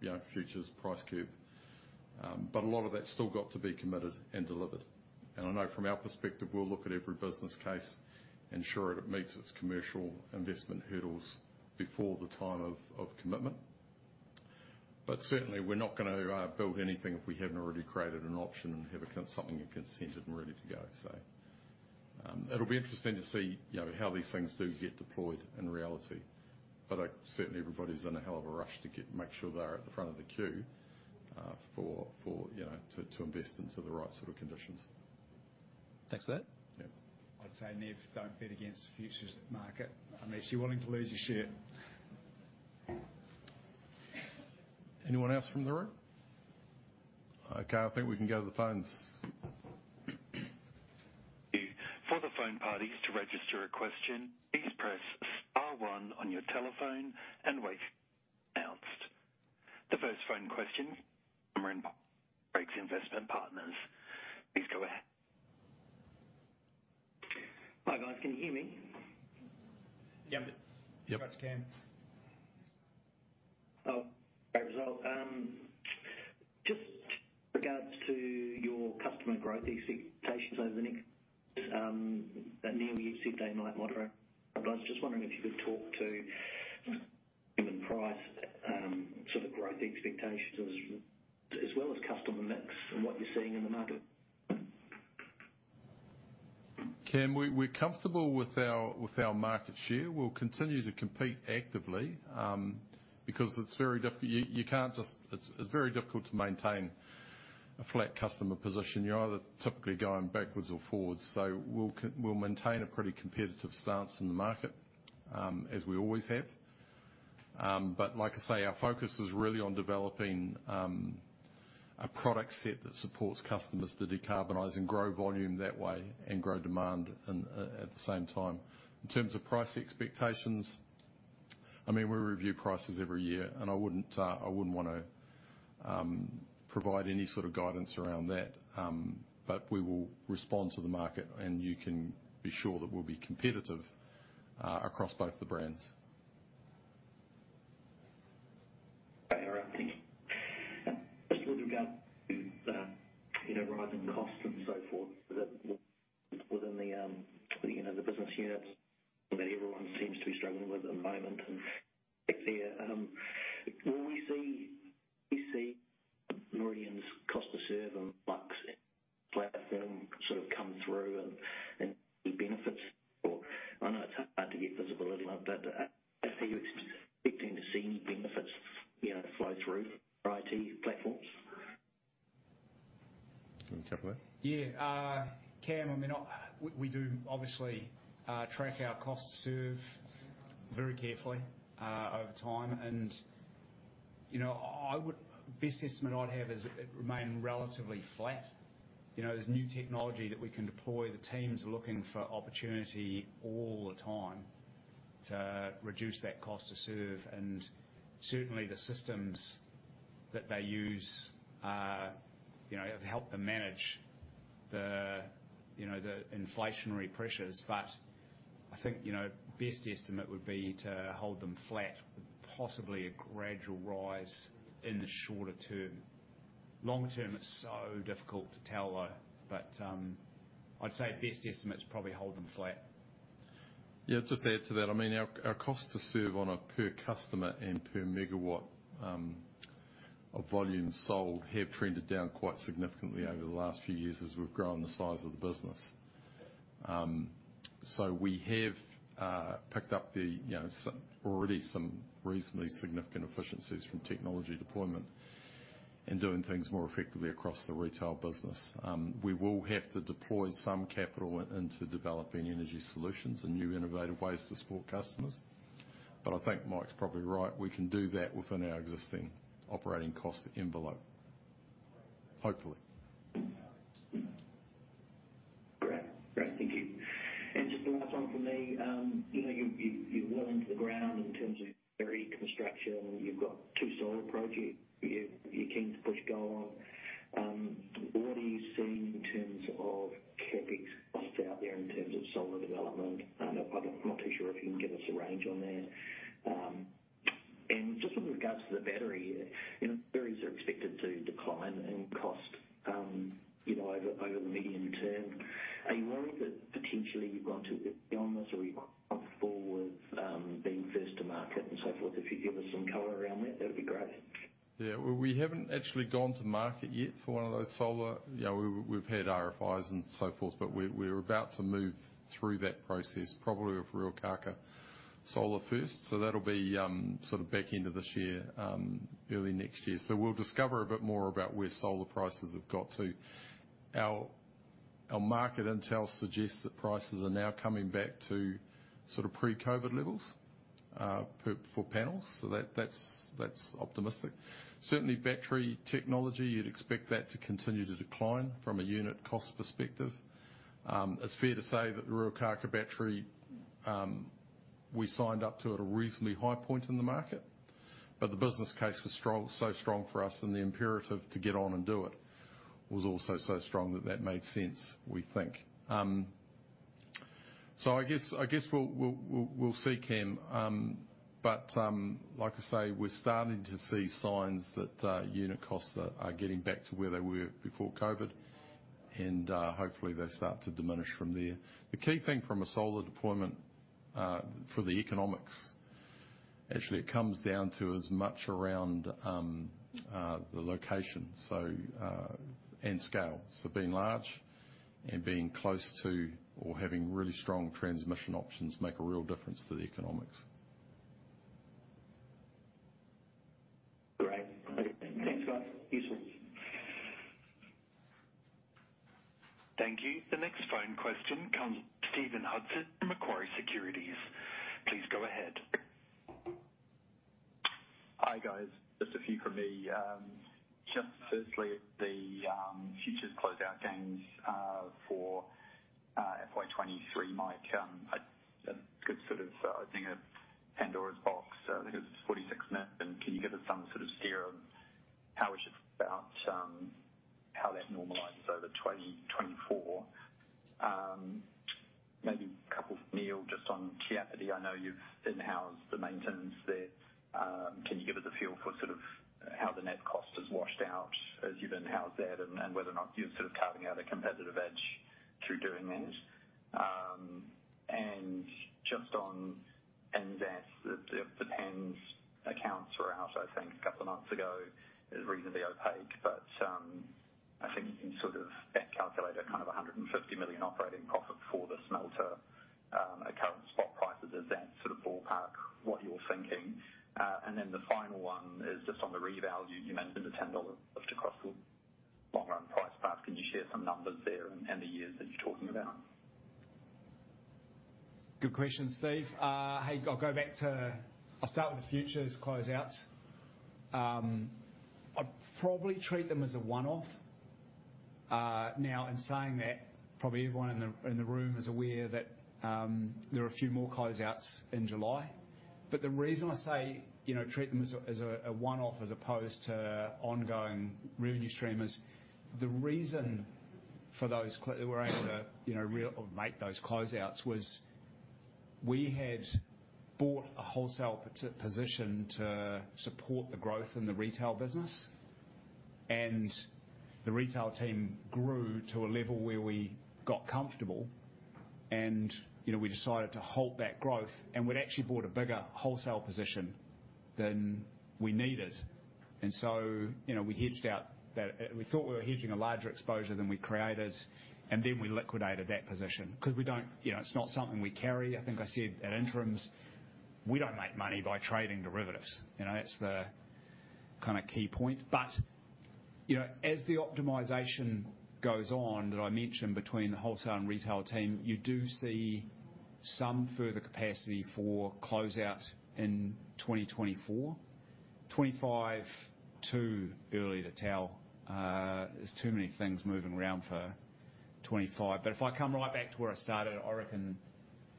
you know, futures price curve. But a lot of that's still got to be committed and delivered. And I know from our perspective, we'll look at every business case, ensure it meets its commercial investment hurdles before the time of commitment. But certainly, we're not gonna build anything if we haven't already created an option and have a consent and ready to go. So, it'll be interesting to see, you know, how these things do get deployed in reality. But, certainly everybody's in a hell of a rush to make sure they're at the front of the queue, for, you know, to invest into the right sort of conditions. Thanks for that. Yeah. I'd say, Nev, don't bet against the futures market unless you're willing to lose your shirt. Anyone else from the room? Okay, I think we can go to the phones. For the phone parties, to register a question, please press star one on your telephone and wait, announced. The first phone question from Craigs Investment Partners. Please go ahead. Hi, guys. Can you hear me? Yep. Yep. Yes, Cam. Oh, great result. Just regards to your customer growth expectations over the next two to three years, medium-term. I was just wondering if you could talk to unit price sort of growth expectations as well as customer mix and what you're seeing in the market. Cam, we're comfortable with our market share. We'll continue to compete actively, because it's very difficult. You can't just... It's very difficult to maintain a flat customer position. You're either typically going backwards or forwards. So we'll maintain a pretty competitive stance in the market, as we always have. But like I say, our focus is really on developing a product set that supports customers to decarbonize and grow volume that way, and grow demand and at the same time. In terms of price expectations, I mean, we review prices every year, and I wouldn't want to provide any sort of guidance around that. But we will respond to the market, and you can be sure that we'll be competitive across both the brands. All right, thank you. Just with regard to, you know, rising costs and so forth, within the, you know, the business units that everyone seems to be struggling with at the moment, and, will we see Meridian's cost to serve and Flux platform sort of come through and, and the benefits, or I know it's hard to get visibility on that, but are you expecting to see any benefits, you know, flow through IT platforms? You want to take that? Yeah. Cam, I mean, we do obviously track our cost to serve very carefully over time. And, you know, I would best estimate I'd have is it remain relatively flat. You know, there's new technology that we can deploy. The teams are looking for opportunity all the time to reduce that cost to serve, and certainly, the systems that they use, you know, have helped them manage the, you know, the inflationary pressures. But I think, you know, best estimate would be to hold them flat, possibly a gradual rise in the shorter term. Long term, it's so difficult to tell, though. But, I'd say best estimate is probably hold them flat. Yeah, just to add to that, I mean, our, our cost to serve on a per customer and per megawatt of volume sold have trended down quite significantly over the last few years as we've grown the size of the business. So we have picked up, you know, some already some reasonably significant efficiencies from technology deployment and doing things more effectively across the retail business. We will have to deploy some capital into developing energy solutions and new innovative ways to support customers, but I think Mike's probably right. We can do that within our existing operating cost envelope, hopefully. Great. Great, thank you. Just the last one for me. You know, you've worn to the ground in terms of battery construction, you've got two solar projects you're keen to push go on. What are you seeing in terms of CapEx costs out there in terms of solar development? I'm not too sure if you can give us a range on that. And just with regards to the battery, you know, batteries are expected to decline in cost. You know, over the medium term. Are you worried that potentially you've gone too bit beyond this, or you've come forward, being first to market and so forth? If you give us some color around that, that would be great. Yeah, well, we haven't actually gone to market yet for one of those solar. You know, we, we've had RFIs and so forth, but we, we're about to move through that process, probably with Ruakākā Solar first. So that'll be, sort of back end of this year, early next year. So we'll discover a bit more about where solar prices have got to. Our, our market intel suggests that prices are now coming back to sort of pre-COVID levels, for panels. So that, that's, that's optimistic. Certainly, battery technology, you'd expect that to continue to decline from a unit cost perspective. It's fair to say that the Ruakākā battery, we signed up to at a reasonably high point in the market, but the business case was strong, so strong for us, and the imperative to get on and do it was also so strong that that made sense, we think. So I guess we'll see, Cam. But like I say, we're starting to see signs that unit costs are getting back to where they were before COVID, and hopefully, they start to diminish from there. The key thing from a solar deployment for the economics, actually, it comes down to as much around the location, so and scale. So being large and being close to or having really strong transmission options make a real difference to the economics. Great. Thanks, guys. Useful. Thank you. The next phone question comes from Stephen Hudson from Macquarie Securities. Please go ahead. Hi, guys. Just a few from me. Just firstly, the futures closeout gains for FY 2023, Mike, a good sort of, I think, a Pandora's box. I think it's 46 million. Can you give us some sort of steer on how we should about how that normalizes over 2024? Maybe a couple, Neal, just on Te Āpiti. I know you've in-housed the maintenance there. Can you give us a feel for sort of how the net cost is washed out as you've in-housed that, and whether or not you're sort of carving out a competitive edge through doing that? And just on NZAS, the P&L accounts were out, I think, a couple of months ago. It's reasonably opaque, but I think you can sort of back calculate a kind of 150 million operating profit for the smelter at current spot prices. Is that sort of ballpark what you're thinking? And then the final one is just on the reval. You mentioned the 10 dollars lift across the long-run price path. Can you share some numbers there and the years that you're talking about? Good question, Steve. I'll start with the futures closeouts. I'd probably treat them as a one-off. Now, in saying that, probably everyone in the room is aware that there are a few more closeouts in July. But the reason I say, you know, treat them as a one-off, as opposed to ongoing revenue stream, is the reason for those closeouts. We were able to make those closeouts because we had bought a wholesale position to support the growth in the retail business, and the retail team grew to a level where we got comfortable, and, you know, we decided to halt that growth, and we'd actually bought a bigger wholesale position than we needed. And so, you know, we hedged out that... We thought we were hedging a larger exposure than we created, and then we liquidated that position because we don't, you know, it's not something we carry. I think I said at interims, we don't make money by trading derivatives. You know, that's the kinda key point. But, you know, as the optimization goes on, that I mentioned between the wholesale and retail team, you do see some further capacity for closeout in 2024. 2025, too early to tell. There's too many things moving around for 25. But if I come right back to where I started, I reckon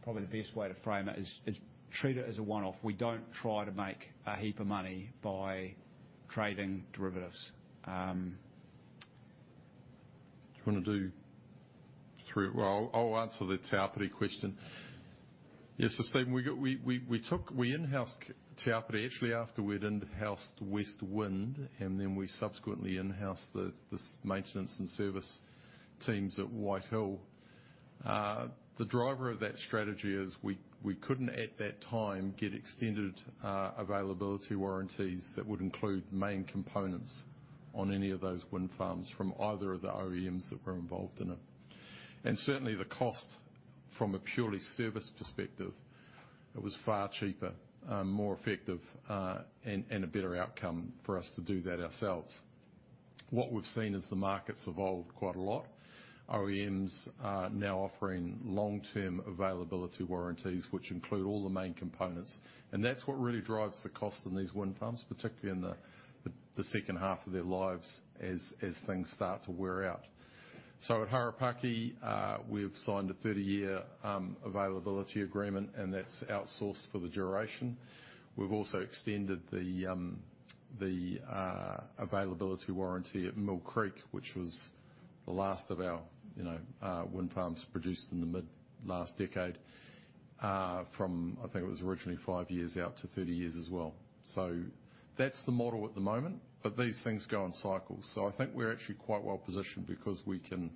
probably the best way to frame it is, is treat it as a one-off. We don't try to make a heap of money by trading derivatives. Do you wanna do through... Well, I'll answer the Te Āpiti question. Yes, so Stephen, we in-housed Te Āpiti actually, after we'd in-housed West Wind, and then we subsequently in-housed the maintenance and service teams at White Hill. The driver of that strategy is we couldn't, at that time, get extended availability warranties that would include main components on any of those wind farms from either of the OEMs that were involved in it. And certainly, the cost from a purely service perspective, it was far cheaper, more effective, and a better outcome for us to do that ourselves. What we've seen is the market's evolved quite a lot. OEMs are now offering long-term availability warranties, which include all the main components, and that's what really drives the cost in these wind farms, particularly in the second half of their lives, as things start to wear out. So at Harapaki, we've signed a 30-year availability agreement, and that's outsourced for the duration. We've also extended the availability warranty at Mill Creek, which was the last of our, you know, wind farms produced in the mid last decade. From, I think it was originally 5 years out to 30 years as well. So that's the model at the moment, but these things go in cycles. So I think we're actually quite well positioned because we can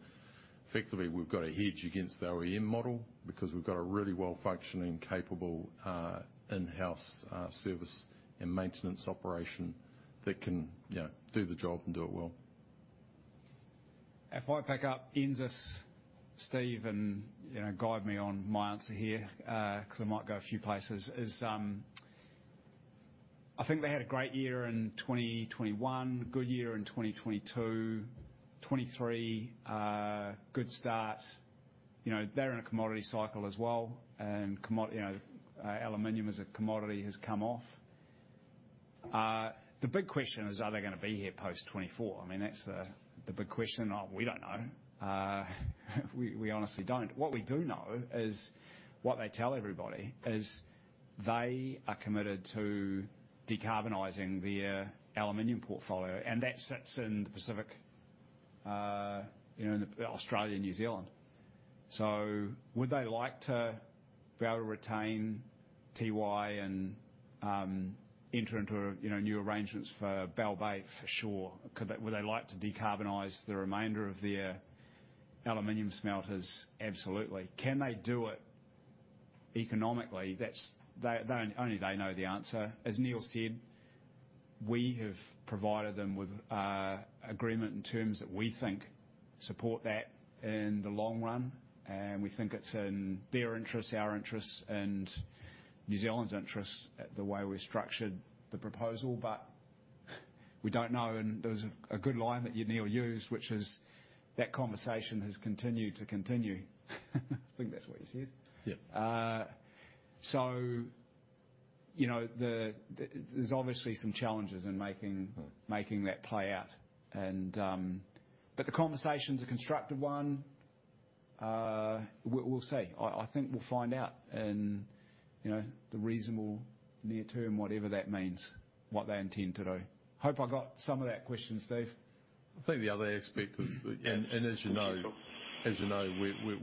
effectively, we've got a hedge against the OEM model because we've got a really well-functioning, capable, in-house, service and maintenance operation that can, you know, do the job and do it well. If I pick up Genesis, Steve, and, you know, guide me on my answer here, 'cause I might go a few places, I think they had a great year in 2021, a good year in 2022. 2023, good start. You know, they're in a commodity cycle as well, and you know, aluminum as a commodity has come off. The big question is, are they gonna be here post 2024? I mean, that's the, the big question. We don't know. We, we honestly don't. What we do know is, what they tell everybody is they are committed to decarbonizing their aluminum portfolio, and that sits in the Pacific, you know, in Australia and New Zealand. So would they like to be able to retain Tiwai and enter into a, you know, new arrangements for Bluff? For sure. Could they, would they like to decarbonize the remainder of their aluminum smelters? Absolutely. Can they do it economically? That's, they only they know the answer. As Neal said, we have provided them with agreement and terms that we think support that in the long run, and we think it's in their interest, our interests, and New Zealand's interests, the way we structured the proposal. But we don't know, and there's a good line that you, Neal, used, which is: That conversation has continued to continue. I think that's what you said. Yeah. So, you know, the-- there's obviously some challenges in making that play out, and, but the conversation's a constructive one. We'll see. I think we'll find out in, you know, the reasonable near term, whatever that means, what they intend to do. Hope I got some of that question, Steve. I think the other aspect is, and as you know,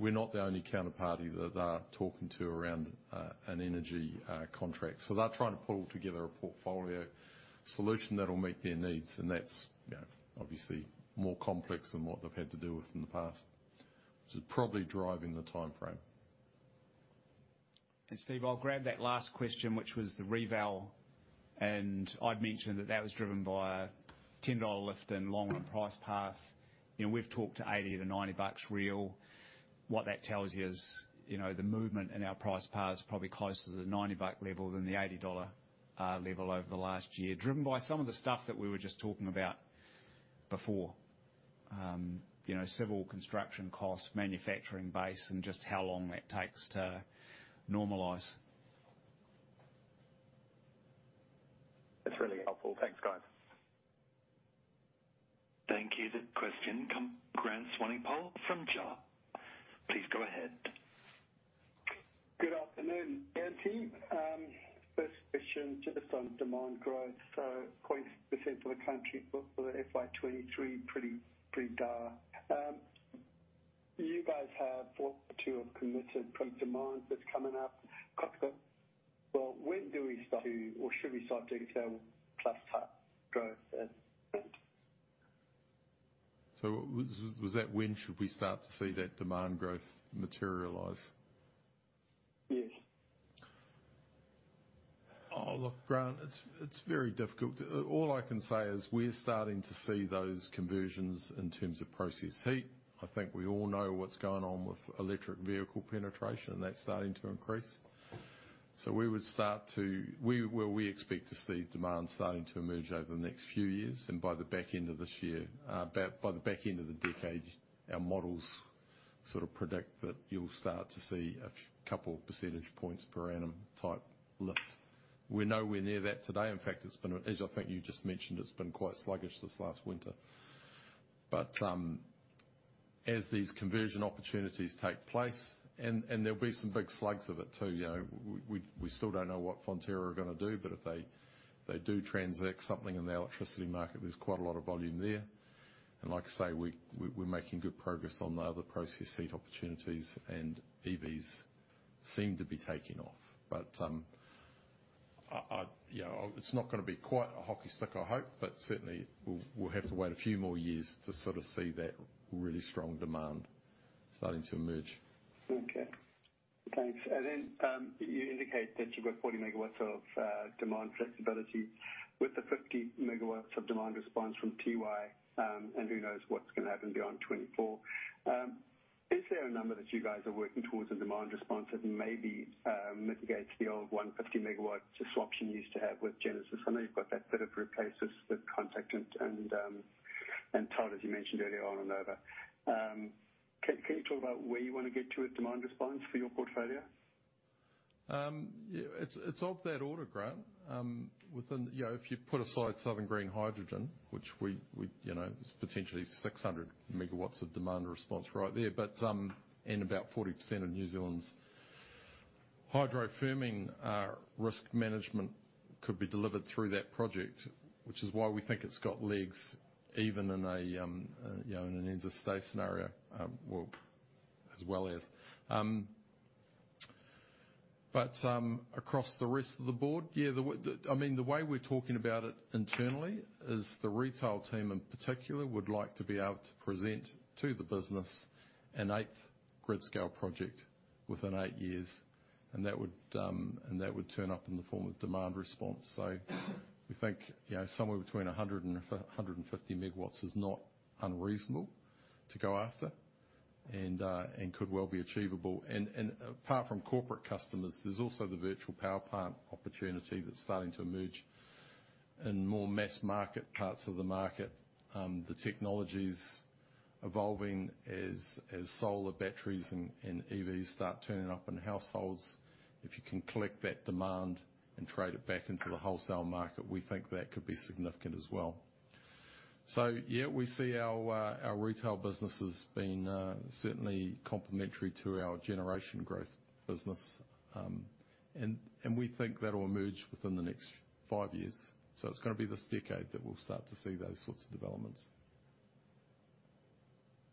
we're not the only counterparty that they're talking to around an energy contract. So they're trying to pull together a portfolio solution that will meet their needs, and that's, you know, obviously more complex than what they've had to deal with in the past, which is probably driving the timeframe. Steve, I'll grab that last question, which was the reval, and I'd mentioned that that was driven by a 10 dollar lift in long run price path. You know, we've talked to 80-90 bucks real. What that tells you is, you know, the movement in our price path is probably closer to the 90 buck level than the 80 dollar level over the last year, driven by some of the stuff that we were just talking about before. You know, civil construction costs, manufacturing base, and just how long that takes to normalize. That's really helpful. Thanks, guys. Thank you. The question from Grant Swanepoel from Jarden. Please go ahead. Good afternoon, Andy. First question, just on demand growth. So 1% for the country for the FY 2023, pretty, pretty dire. You guys have 40 committed pre-demand that's coming up. Well, when do we start to, or should we start to detail plus growth as well? So, was that when should we start to see that demand growth materialize? Yes. Oh, look, Grant, it's, it's very difficult. All I can say is we're starting to see those conversions in terms of process heat. I think we all know what's going on with electric vehicle penetration, and that's starting to increase. So we would start to... We, well, we expect to see demand starting to emerge over the next few years, and by the back end of this year, about by the back end of the decade, our models sort of predict that you'll start to see a couple percentage points per annum type lift. We're nowhere near that today. In fact, it's been, as I think you just mentioned, it's been quite sluggish this last winter. But, as these conversion opportunities take place, and, and there'll be some big slugs of it, too, you know? We still don't know what Fonterra are gonna do, but if they do transact something in the electricity market, there's quite a lot of volume there. And like I say, we're making good progress on the other process heat opportunities, and EVs seem to be taking off. But, you know, it's not gonna be quite a hockey stick, I hope, but certainly, we'll have to wait a few more years to sort of see that really strong demand starting to emerge. Okay, thanks. Then, you indicate that you've got 40 MW of demand flexibility with the 50 MW of demand response from Tiwai, and who knows what's going to happen beyond 2024. Is there a number that you guys are working towards a demand response that maybe mitigates the old 150-MW swap you used to have with Genesis? I know you've got that bit of replaces the Contact and Todd, as you mentioned earlier, and Nova. Can you talk about where you want to get to with demand response for your portfolio? Yeah, it's, it's of that order, Grant. Within, you know, if you put aside Southern Green Hydrogen, which we, we, you know, it's potentially 600 MW of demand response right there, but, and about 40% of New Zealand's hydro firming, risk management could be delivered through that project, which is why we think it's got legs, even in a, you know, in an interstate scenario, well, as well as. But, across the rest of the board, yeah, I mean, the way we're talking about it internally is the retail team, in particular, would like to be able to present to the business an eighth grid-scale project within 8 years, and that would, and that would turn up in the form of demand response. So we think, you know, somewhere between 100 and 150 MW is not unreasonable to go after and could well be achievable. And apart from corporate customers, there's also the virtual power plant opportunity that's starting to emerge in more mass market parts of the market. The technology's evolving as solar batteries and EVs start turning up in households. If you can collect that demand and trade it back into the wholesale market, we think that could be significant as well. So yeah, we see our retail business as being certainly complementary to our generation growth business. And we think that'll emerge within the next five years. So it's gonna be this decade that we'll start to see those sorts of developments.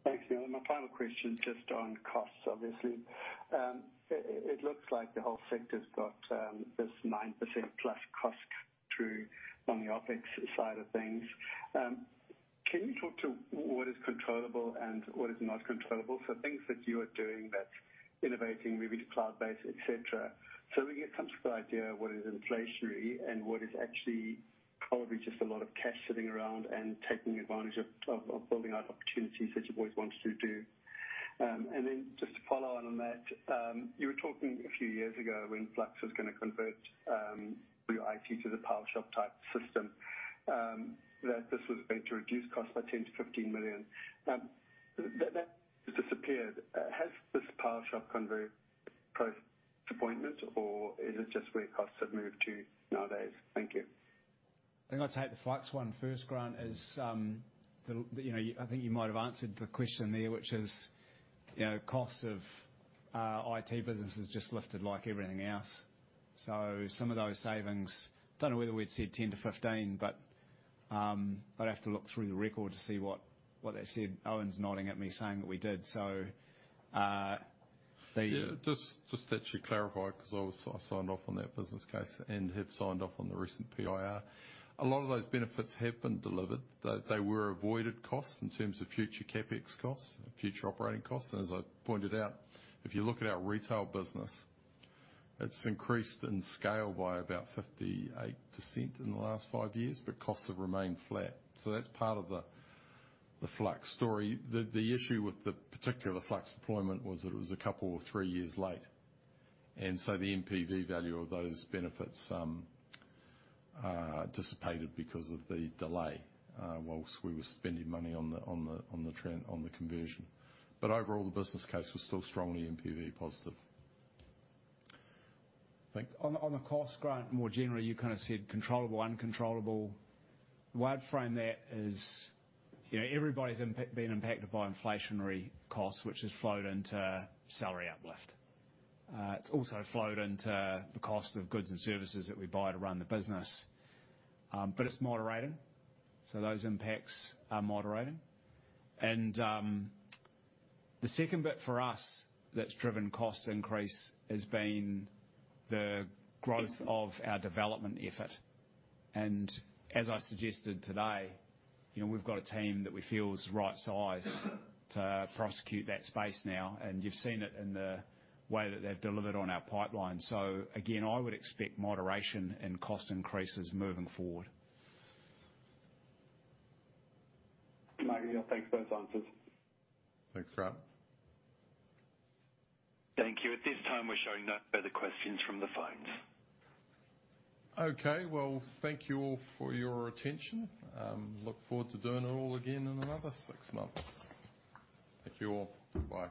Thanks, Neal. My final question, just on costs, obviously. It looks like the whole sector's got this 9% plus cost through on the OpEx side of things. Can you talk to what is controllable and what is not controllable? So things that you are doing that's innovating, moving to cloud-based, et cetera, so we get some sort of idea of what is inflationary and what is actually probably just a lot of cash sitting around and taking advantage of building out opportunities that you've always wanted to do. And then just to follow on that, you were talking a few years ago when Flux was gonna convert your IT to the Powershop-type system, that this was going to reduce costs by 10-15 million. That disappeared. Has this Powershop convert proved disappointment, or is it just where costs have moved to nowadays? Thank you. I think I'd take the Flux one first, Grant. Is the, you know, I think you might have answered the question there, which is, you know, costs of IT business has just lifted like everything else. So some of those savings, don't know whether we'd said 10-15, but, I'd have to look through the record to see what, what they said. Owen's nodding at me, saying that we did. So, the- Yeah, just to actually clarify, 'cause I signed off on that business case and have signed off on the recent PIR. A lot of those benefits have been delivered. They were avoided costs in terms of future CapEx costs, future operating costs. And as I pointed out, if you look at our retail business, it's increased in scale by about 58% in the last 5 years, but costs have remained flat. So that's part of the Flux story. The issue with the particular Flux deployment was that it was a couple or three years late, and so the NPV value of those benefits dissipated because of the delay whilst we were spending money on the conversion. But overall, the business case was still strongly NPV positive. I think on the cost, Grant, more generally, you kind of said controllable, uncontrollable. The way I'd frame that is, you know, everybody's been impacted by inflationary costs, which has flowed into salary uplift. It's also flowed into the cost of goods and services that we buy to run the business. But it's moderating, so those impacts are moderating. And the second bit for us that's driven cost increase has been the growth of our development effort. And as I suggested today, you know, we've got a team that we feel is the right size to prosecute that space now, and you've seen it in the way that they've delivered on our pipeline. So again, I would expect moderation in cost increases moving forward. Great. Thanks for those answers. Thanks, Grant. Thank you. At this time, we're showing no further questions from the phones. Okay, well, thank you all for your attention. Look forward to doing it all again in another six months. Thank you all. Bye.